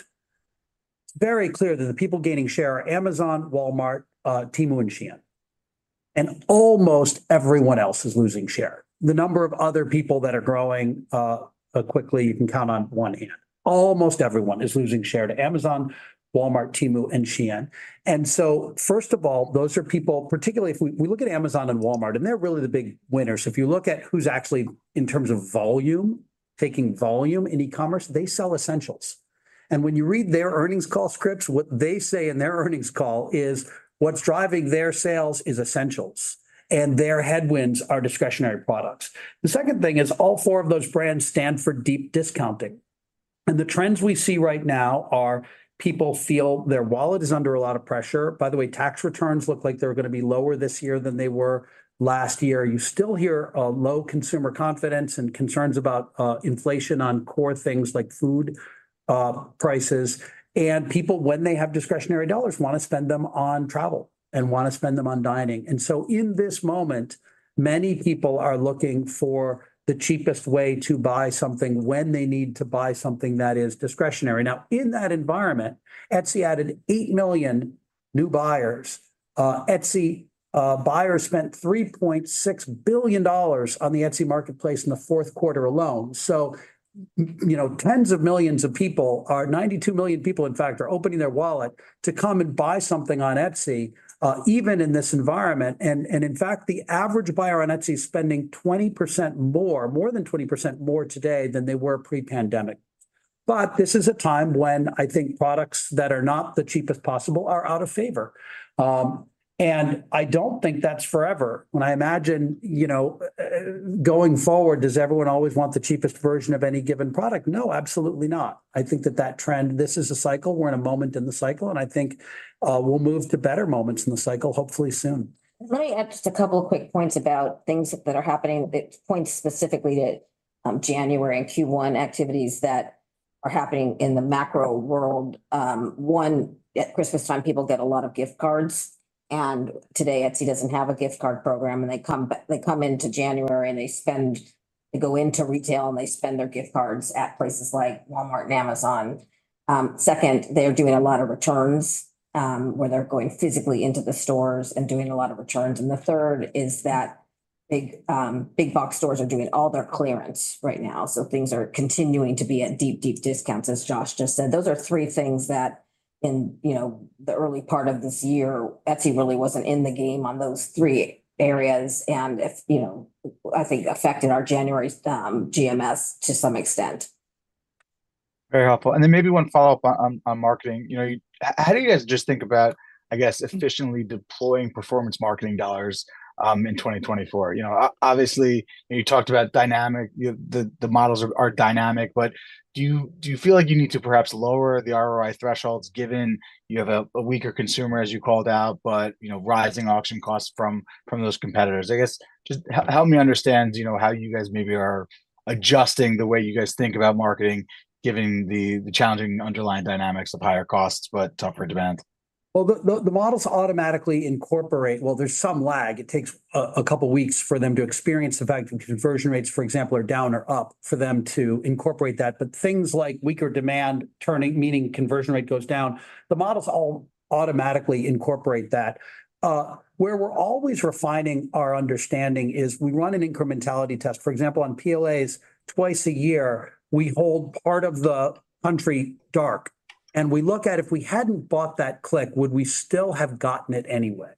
it's very clear that the people gaining share are Amazon, Walmart, Temu, and Shein. Almost everyone else is losing share. The number of other people that are growing quickly, you can count on one hand. Almost everyone is losing share to Amazon, Walmart, Temu, and Shein. First of all, those are people, particularly if we look at Amazon and Walmart, and they're really the big winners. If you look at who's actually, in terms of volume, taking volume in e-commerce, they sell essentials. When you read their earnings call scripts, what they say in their earnings call is, "What's driving their sales is essentials. And their headwinds are discretionary products." The second thing is all four of those brands stand for deep discounting. The trends we see right now are people feel their wallet is under a lot of pressure. By the way, tax returns look like they're going to be lower this year than they were last year. You still hear a low consumer confidence and concerns about inflation on core things like food prices. And people, when they have discretionary dollars, want to spend them on travel and want to spend them on dining. So in this moment, many people are looking for the cheapest way to buy something when they need to buy something that is discretionary. Now, in that environment, Etsy added 8 million new buyers. Etsy buyers spent $3.6 billion on the Etsy marketplace in the fourth quarter alone. So tens of millions of people are 92 million people, in fact, are opening their wallet to come and buy something on Etsy, even in this environment. In fact, the average buyer on Etsy is spending 20% more, more than 20% more today than they were pre-pandemic. But this is a time when I think products that are not the cheapest possible are out of favor. And I don't think that's forever. When I imagine going forward, does everyone always want the cheapest version of any given product? No, absolutely not. I think that that trend, this is a cycle. We're in a moment in the cycle, and I think we'll move to better moments in the cycle, hopefully soon. Let me add just a couple of quick points about things that are happening that point specifically to January and Q1 activities that are happening in the macro world. One, at Christmastime, people get a lot of gift cards. And today, Etsy doesn't have a gift card program. And they come into January, and they spend they go into retail, and they spend their gift cards at places like Walmart and Amazon. Second, they are doing a lot of returns, where they're going physically into the stores and doing a lot of returns. And the third is that big box stores are doing all their clearance right now. So things are continuing to be at deep, deep discounts, as Josh just said. Those are three things that in the early part of this year, Etsy really wasn't in the game on those three areas and, I think, affected our January GMS to some extent. Very helpful. And then maybe one follow-up on marketing. How do you guys just think about, I guess, efficiently deploying performance marketing dollars in 2024? Obviously, you talked about dynamic. The models are dynamic. But do you feel like you need to perhaps lower the ROI thresholds given you have a weaker consumer, as you called out, but rising auction costs from those competitors? I guess, just help me understand how you guys maybe are adjusting the way you guys think about marketing, given the challenging underlying dynamics of higher costs but tougher demand. Well, the models automatically incorporate well, there's some lag. It takes a couple of weeks for them to experience the fact that conversion rates, for example, are down or up, for them to incorporate that. But things like weaker demand, meaning conversion rate goes down, the models all automatically incorporate that. Where we're always refining our understanding is we run an incrementality test. For example, on PLAs, twice a year, we hold part of the country dark. And we look at if we hadn't bought that click, would we still have gotten it anyway?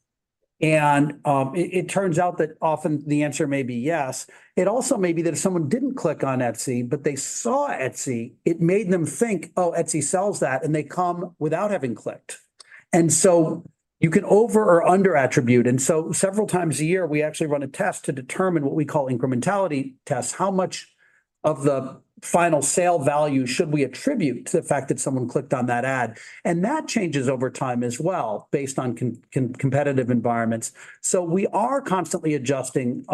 And it turns out that often the answer may be yes. It also may be that if someone didn't click on Etsy, but they saw Etsy, it made them think, "Oh, Etsy sells that," and they come without having clicked. And so you can over or under attribute. And so several times a year, we actually run a test to determine what we call incrementality tests, how much of the final sale value should we attribute to the fact that someone clicked on that ad? And that changes over time as well, based on competitive environments. So we are constantly adjusting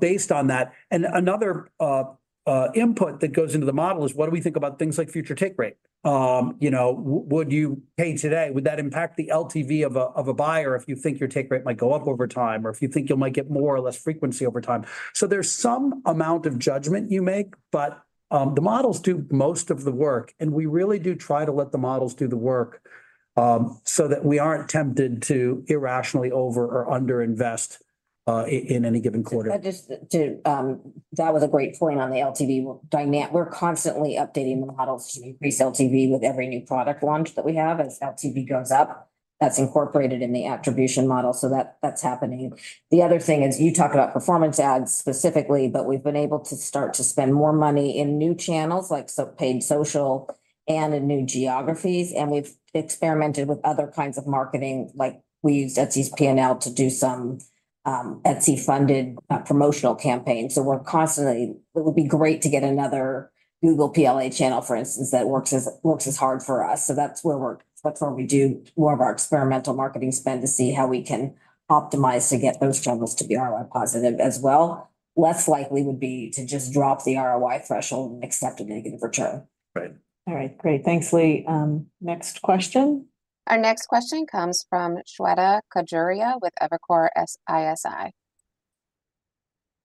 based on that. And another input that goes into the model is, what do we think about things like future take rate? Would you pay today? Would that impact the LTV of a buyer if you think your take rate might go up over time, or if you think you might get more or less frequency over time? So there's some amount of judgment you make, but the models do most of the work. And we really do try to let the models do the work so that we aren't tempted to irrationally over or underinvest in any given quarter. That was a great point on the LTV. We're constantly updating the models to increase LTV with every new product launch that we have as LTV goes up. That's incorporated in the attribution model, so that's happening. The other thing is you talked about performance ads specifically, but we've been able to start to spend more money in new channels, like paid social, and in new geographies. And we've experimented with other kinds of marketing. We used Etsy's P&L to do some Etsy-funded promotional campaigns. So it would be great to get another Google PLA channel, for instance, that works as hard for us. So that's where we do more of our experimental marketing spend to see how we can optimize to get those channels to be ROI positive as well. Less likely would be to just drop the ROI threshold and accept a negative return. All right. Great. Thanks, Lee. Next question. Our next question comes from Shweta Khajuria with Evercore ISI.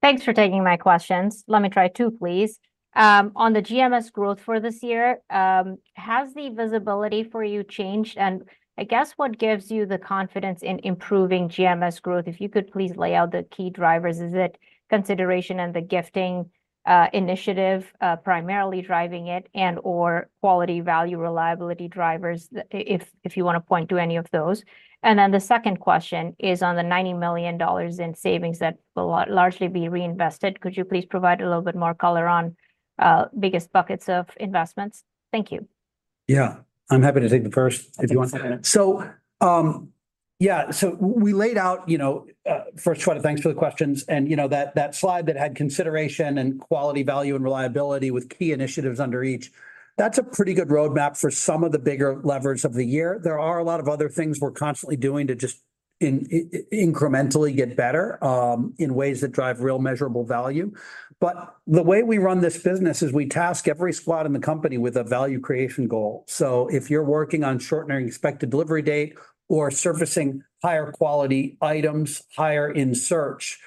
Thanks for taking my questions. Let me try two, please. On the GMS growth for this year, has the visibility for you changed? And I guess what gives you the confidence in improving GMS growth, if you could please lay out the key drivers? Is it consideration and the gifting initiative primarily driving it, and/or quality, value, reliability drivers, if you want to point to any of those? And then the second question is on the $90 million in savings that will largely be reinvested. Could you please provide a little bit more color on biggest buckets of investments? Thank you. Yeah. I'm happy to take the first if you want to. So yeah. So we laid out first, Shweta, thanks for the questions. And that slide that had consideration and quality, value, and reliability with key initiatives under each, that's a pretty good roadmap for some of the bigger levers of the year. There are a lot of other things we're constantly doing to just incrementally get better in ways that drive real measurable value. But the way we run this business is we task every squad in the company with a value creation goal. So if you're working on shortening expected delivery date or servicing higher quality items, higher in search,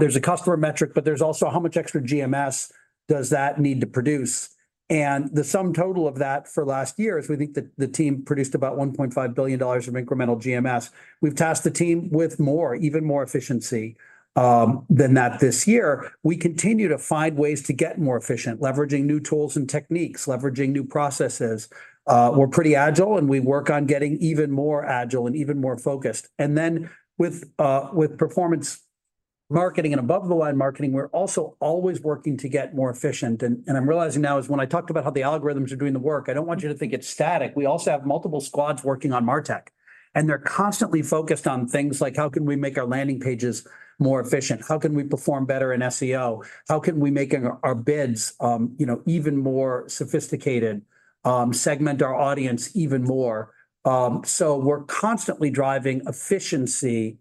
there's a customer metric, but there's also how much extra GMS does that need to produce? And the sum total of that for last year is we think that the team produced about $1.5 billion of incremental GMS. We've tasked the team with more, even more efficiency than that this year. We continue to find ways to get more efficient, leveraging new tools and techniques, leveraging new processes. We're pretty agile, and we work on getting even more agile and even more focused. And then with performance marketing and above-the-line marketing, we're also always working to get more efficient. I'm realizing now as when I talked about how the algorithms are doing the work, I don't want you to think it's static. We also have multiple squads working on MarTech. And they're constantly focused on things like, how can we make our landing pages more efficient? How can we perform better in SEO? How can we make our bids even more sophisticated, segment our audience even more? So we're constantly driving efficiency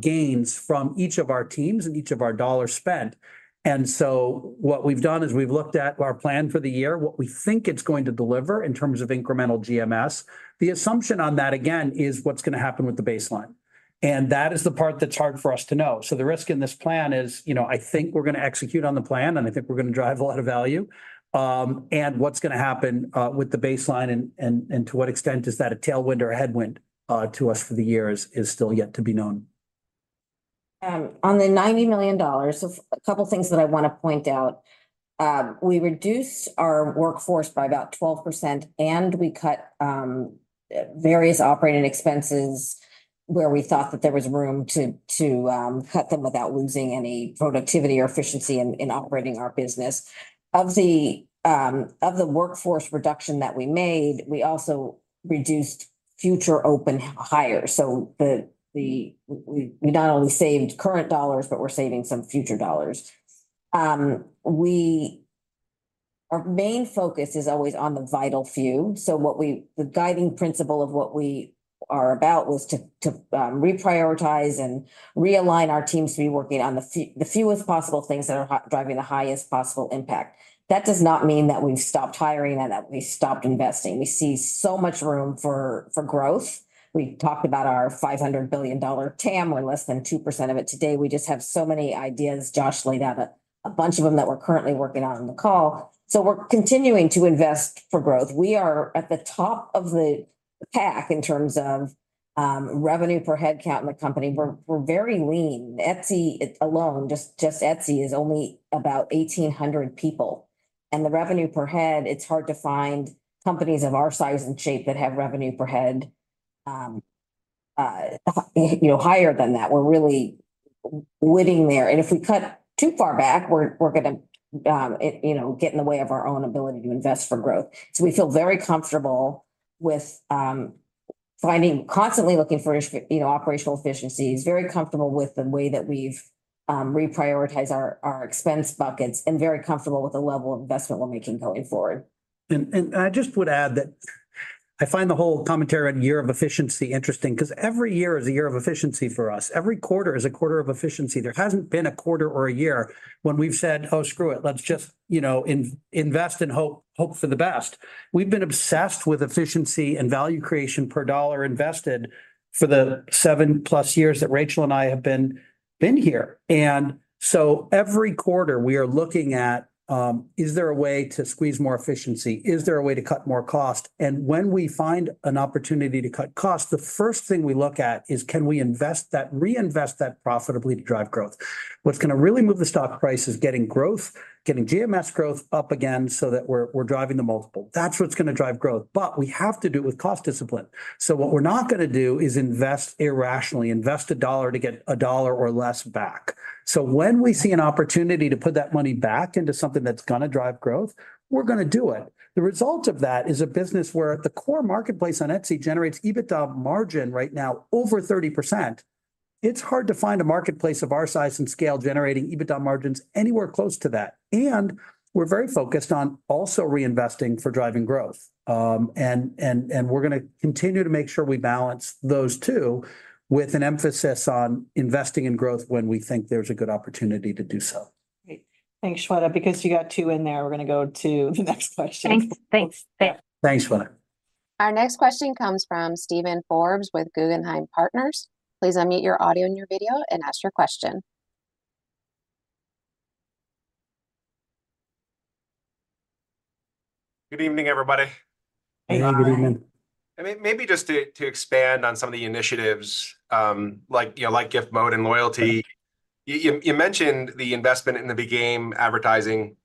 gains from each of our teams and each of our dollars spent. And so what we've done is we've looked at our plan for the year, what we think it's going to deliver in terms of incremental GMS. The assumption on that, again, is what's going to happen with the baseline. And that is the part that's hard for us to know. The risk in this plan is I think we're going to execute on the plan, and I think we're going to drive a lot of value. What's going to happen with the baseline and to what extent is that a tailwind or a headwind to us for the year is still yet to be known. On the $90 million, a couple of things that I want to point out. We reduced our workforce by about 12%, and we cut various operating expenses where we thought that there was room to cut them without losing any productivity or efficiency in operating our business. Of the workforce reduction that we made, we also reduced future open hires. So we not only saved current dollars, but we're saving some future dollars. Our main focus is always on the vital few. So the guiding principle of what we are about was to reprioritize and realign our teams to be working on the fewest possible things that are driving the highest possible impact. That does not mean that we've stopped hiring and that we stopped investing. We see so much room for growth. We talked about our $500 billion TAM. We're less than 2% of it today. We just have so many ideas, Josh laid out a bunch of them that we're currently working on in the call. So we're continuing to invest for growth. We are at the top of the pack in terms of revenue per headcount in the company. We're very lean. Etsy alone, just Etsy, is only about 1,800 people. And the revenue per head, it's hard to find companies of our size and shape that have revenue per head higher than that. We're really winning there. If we cut too far back, we're going to get in the way of our own ability to invest for growth. We feel very comfortable with finding constantly looking for operational efficiencies, very comfortable with the way that we've reprioritized our expense buckets, and very comfortable with the level of investment we're making going forward. I just would add that I find the whole commentary on year of efficiency interesting because every year is a year of efficiency for us. Every quarter is a quarter of efficiency. There hasn't been a quarter or a year when we've said, "Oh, screw it. Let's just invest and hope for the best." We've been obsessed with efficiency and value creation per dollar invested for the 7+ years that Rachel and I have been here. Every quarter, we are looking at, is there a way to squeeze more efficiency? Is there a way to cut more cost? And when we find an opportunity to cut cost, the first thing we look at is, can we invest that, reinvest that profitably to drive growth? What's going to really move the stock price is getting growth, getting GMS growth up again so that we're driving the multiple. That's what's going to drive growth. But we have to do it with cost discipline. So what we're not going to do is invest irrationally, invest a dollar to get a dollar or less back. So when we see an opportunity to put that money back into something that's going to drive growth, we're going to do it. The result of that is a business where the core marketplace on Etsy generates EBITDA margin right now over 30%. It's hard to find a marketplace of our size and scale generating EBITDA margins anywhere close to that. And we're very focused on also reinvesting for driving growth. And we're going to continue to make sure we balance those two with an emphasis on investing in growth when we think there's a good opportunity to do so. Great. Thanks, Shweta. Because you got two in there, we're going to go to the next question. Thanks. Thanks. Thanks, Shweta. Our next question comes from Steven Forbes with Guggenheim Partners. Please unmute your audio and your video and ask your question. Good evening, everybody. Good evening. Hey, good evening. Maybe just to expand on some of the initiatives like Gift Mode and loyalty. You mentioned the investment in the beginning advertising.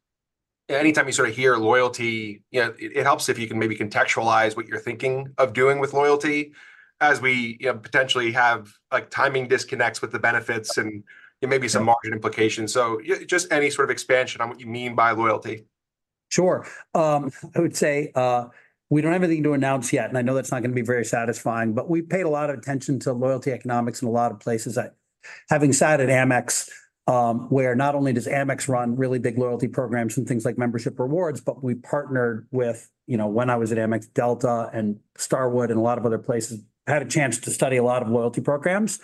Anytime you sort of hear loyalty, it helps if you can maybe contextualize what you're thinking of doing with loyalty as we potentially have timing disconnects with the benefits and maybe some margin implications. So just any sort of expansion on what you mean by loyalty. Sure. I would say we don't have anything to announce yet. And I know that's not going to be very satisfying. But we paid a lot of attention to loyalty economics in a lot of places. Having sat at AmEx, where not only does AmEx run really big loyalty programs and things like membership rewards, but we partnered with, when I was at AmEx, Delta and Starwood and a lot of other places, had a chance to study a lot of loyalty programs.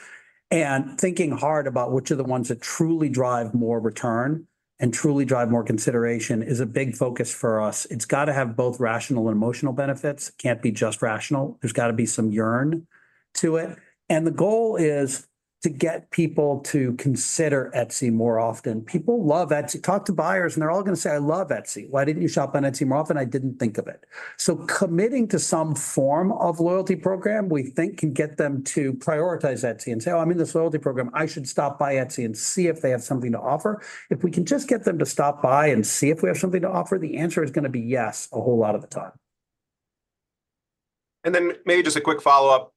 Thinking hard about which are the ones that truly drive more return and truly drive more consideration is a big focus for us. It's got to have both rational and emotional benefits. It can't be just rational. There's got to be some yearning to it. And the goal is to get people to consider Etsy more often. People love Etsy. Talk to buyers, and they're all going to say, "I love Etsy. Why didn't you shop on Etsy more often? I didn't think of it." So committing to some form of loyalty program, we think, can get them to prioritize Etsy and say, "Oh, I'm in this loyalty program. “I should stop by Etsy and see if they have something to offer.” If we can just get them to stop by and see if we have something to offer, the answer is going to be yes a whole lot of the time. And then maybe just a quick follow-up.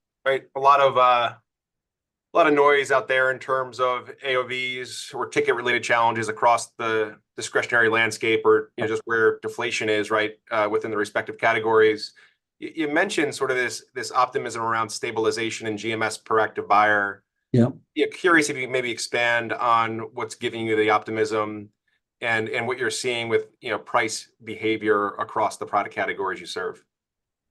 A lot of noise out there in terms of AOVs or ticket-related challenges across the discretionary landscape or just where deflation is within the respective categories. You mentioned sort of this optimism around stabilization and GMS proactive buyer. Curious if you can maybe expand on what's giving you the optimism and what you're seeing with price behavior across the product categories you serve.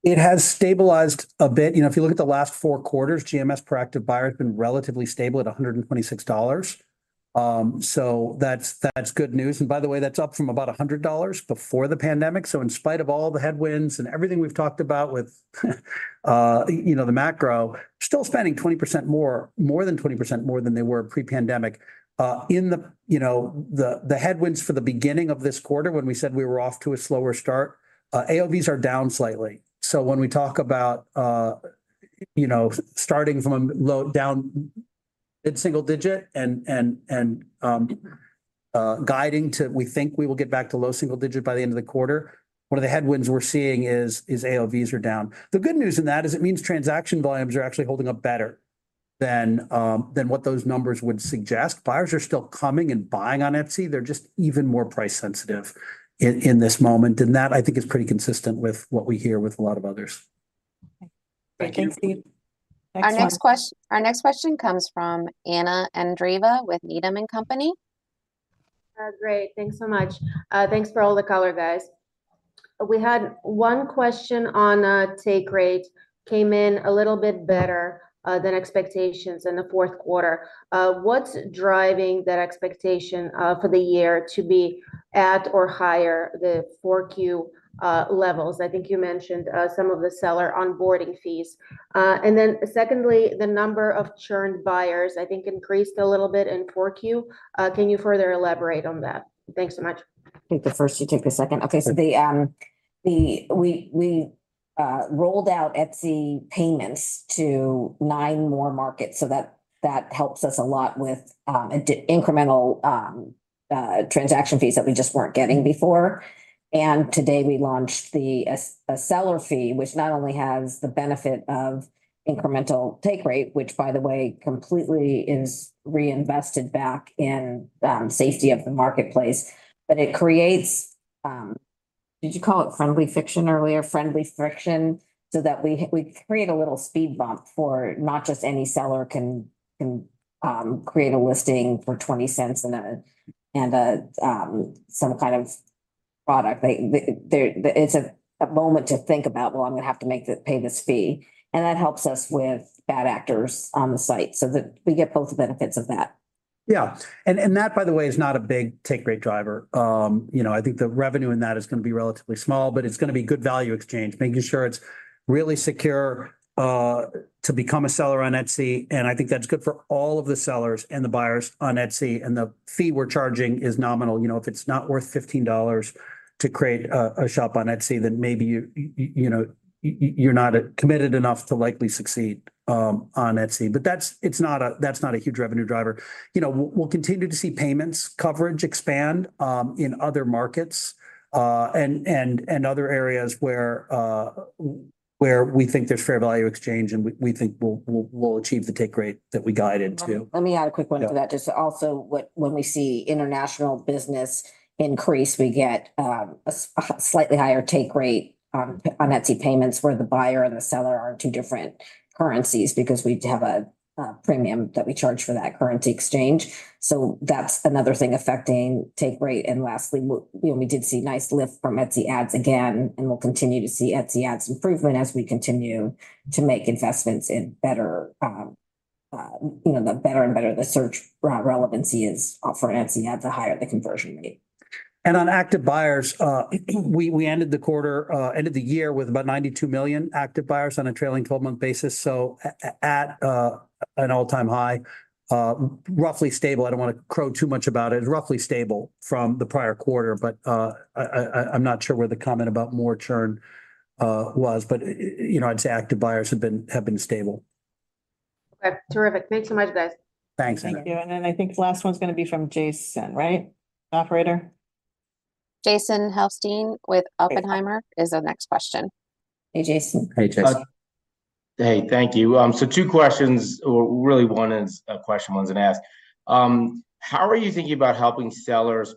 It has stabilized a bit. If you look at the last four quarters, GMS proactive buyer has been relatively stable at $126. So that's good news. And by the way, that's up from about $100 before the pandemic. So in spite of all the headwinds and everything we've talked about with the macro, still spending 20% more, more than 20% more than they were pre-pandemic. In the headwinds for the beginning of this quarter, when we said we were off to a slower start, AOVs are down slightly. So when we talk about starting from a down mid-single digit and guiding to we think we will get back to low single digit by the end of the quarter, one of the headwinds we're seeing is AOVs are down. The good news in that is it means transaction volumes are actually holding up better than what those numbers would suggest. Buyers are still coming and buying on Etsy. They're just even more price-sensitive in this moment. That, I think, is pretty consistent with what we hear with a lot of others. Thank you. Our next question comes from Anna Andreeva with Needham & Company. Great. Thanks so much. Thanks for all the color, guys. We had one question on take rate. Came in a little bit better than expectations in the fourth quarter. What's driving that expectation for the year to be at or higher the 4Q levels? I think you mentioned some of the seller onboarding fees. And then secondly, the number of churned buyers, I think, increased a little bit in 4Q. Can you further elaborate on that? Thanks so much. I think the first you took the second. Okay. So we rolled out Etsy Payments to nine more markets. So that helps us a lot with incremental transaction fees that we just weren't getting before. And today, we launched a seller fee, which not only has the benefit of incremental take rate, which, by the way, completely is reinvested back in safety of the marketplace, but it creates—did you call it friendly friction earlier?—friendly friction so that we create a little speed bump for not just any seller can create a listing for $0.20 and some kind of product. It's a moment to think about, "Well, I'm going to have to pay this fee." And that helps us with bad actors on the site so that we get both benefits of that. Yeah. And that, by the way, is not a big take rate driver. I think the revenue in that is going to be relatively small, but it's going to be good value exchange, making sure it's really secure to become a seller on Etsy. I think that's good for all of the sellers and the buyers on Etsy. The fee we're charging is nominal. If it's not worth $15 to create a shop on Etsy, then maybe you're not committed enough to likely succeed on Etsy. But it's not a huge revenue driver. We'll continue to see payments coverage expand in other markets and other areas where we think there's fair value exchange, and we think we'll achieve the take rate that we guide into. Let me add a quick one to that. Just also, when we see international business increase, we get a slightly higher take rate on Etsy Payments where the buyer and the seller are in two different currencies because we have a premium that we charge for that currency exchange. So that's another thing affecting Take Rate. And lastly, we did see a nice lift from Etsy Ads again. And we'll continue to see Etsy Ads improvement as we continue to make investments in better and better. The search relevancy is for an Etsy ad to higher the conversion rate. And on active buyers, we ended the quarter, ended the year with about 92 million active buyers on a trailing 12-month basis. So at an all-time high, roughly stable. I don't want to crow too much about it. It's roughly stable from the prior quarter. But I'm not sure where the comment about more churn was. But I'd say active buyers have been stable. Okay. Terrific. Thanks so much, guys. Thanks, Anna. Thank you. And then I think the last one's going to be from Jason, right? Operator? Jason Helfstein with Oppenheimer is the next question. Hey, Jason. Hey, Jason. Hey. Thank you. So two questions. Really, one is a question one is going to ask. How are you thinking about helping sellers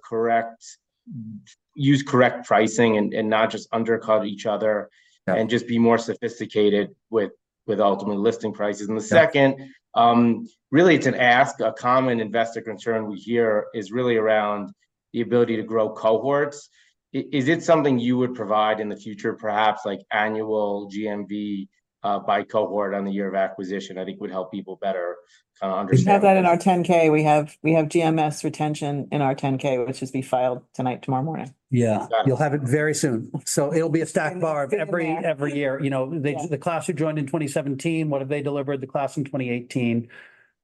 use correct pricing and not just undercut each other and just be more sophisticated with ultimately listing prices? And the second, really, it's an ask. A common investor concern we hear is really around the ability to grow cohorts. Is it something you would provide in the future, perhaps annual GMV by cohort on the year of acquisition? I think would help people better kind of understand. We have that in our 10-K. We have GMS retention in our 10-K, which will be filed tonight, tomorrow morning. Yeah. You'll have it very soon. So it'll be a stacked bar every year. The class you joined in 2017, what have they delivered? The class in 2018,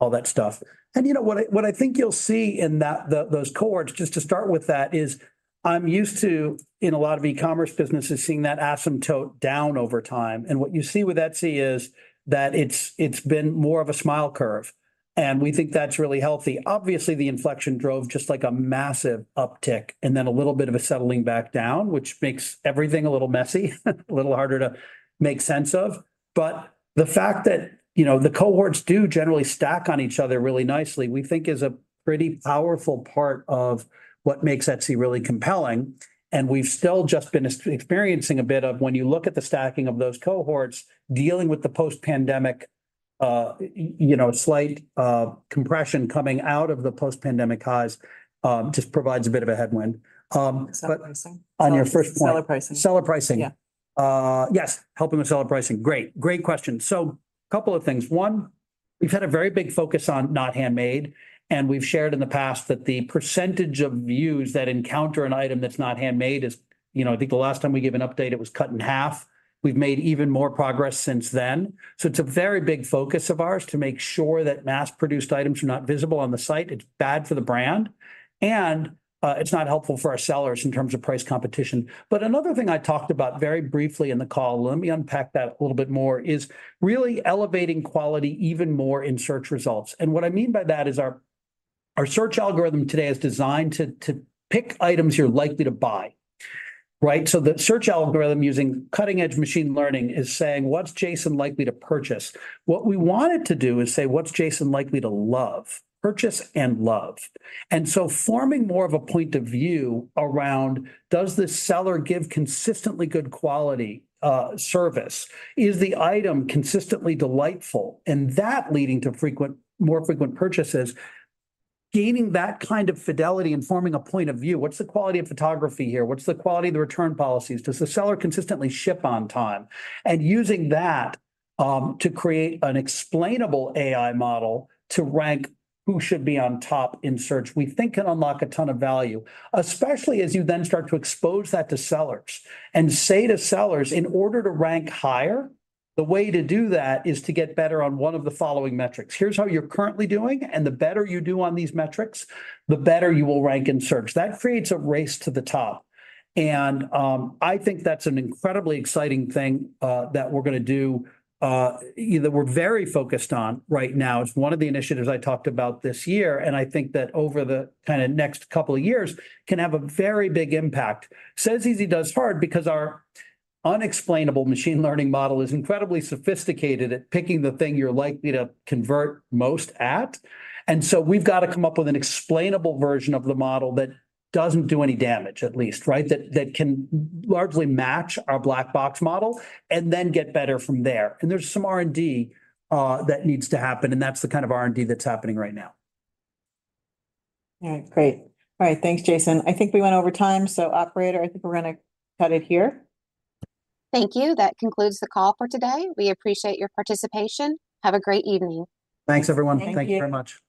all that stuff. What I think you'll see in those cohorts, just to start with that, is I'm used to, in a lot of e-commerce businesses, seeing that asymptote down over time. What you see with Etsy is that it's been more of a smile curve. We think that's really healthy. Obviously, the inflection drove just like a massive uptick and then a little bit of a settling back down, which makes everything a little messy, a little harder to make sense of. But the fact that the cohorts do generally stack on each other really nicely, we think, is a pretty powerful part of what makes Etsy really compelling. We've still just been experiencing a bit of when you look at the stacking of those cohorts, dealing with the post-pandemic slight compression coming out of the post-pandemic highs just provides a bit of a headwind. Seller pricing. On your first point. Seller pricing. Seller pricing. Yes. Helping with seller pricing. Great. Great question. So a couple of things. One, we've had a very big focus on not handmade. And we've shared in the past that the percentage of views that encounter an item that's not handmade is, I think, the last time we gave an update, it was cut in half. We've made even more progress since then. So it's a very big focus of ours to make sure that mass-produced items are not visible on the site. It's bad for the brand. And it's not helpful for our sellers in terms of price competition. But another thing I talked about very briefly in the call, let me unpack that a little bit more, is really elevating quality even more in search results. What I mean by that is our search algorithm today is designed to pick items you're likely to buy, right? So the search algorithm using cutting-edge machine learning is saying, "What's Jason likely to purchase?" What we wanted to do is say, "What's Jason likely to love?" Purchase and love. So forming more of a point of view around, does this seller give consistently good quality service? Is the item consistently delightful? And that leading to more frequent purchases, gaining that kind of fidelity and forming a point of view. What's the quality of photography here? What's the quality of the return policies? Does the seller consistently ship on time? Using that to create an explainable AI model to rank who should be on top in search, we think, can unlock a ton of value, especially as you then start to expose that to sellers and say to sellers, "In order to rank higher, the way to do that is to get better on one of the following metrics. Here's how you're currently doing. And the better you do on these metrics, the better you will rank in search." That creates a race to the top. And I think that's an incredibly exciting thing that we're going to do, that we're very focused on right now. It's one of the initiatives I talked about this year. And I think that over the kind of next couple of years can have a very big impact. Says easy, does hard because our unexplainable machine learning model is incredibly sophisticated at picking the thing you're likely to convert most at. And so we've got to come up with an explainable version of the model that doesn't do any damage, at least, right, that can largely match our black box model and then get better from there. And there's some R&D that needs to happen. And that's the kind of R&D that's happening right now. All right. Great. All right. Thanks, Jason. I think we went over time. So, operator, I think we're going to cut it here. Thank you. That concludes the call for today. We appreciate your participation. Have a great evening. Thanks, everyone. Thank you very much.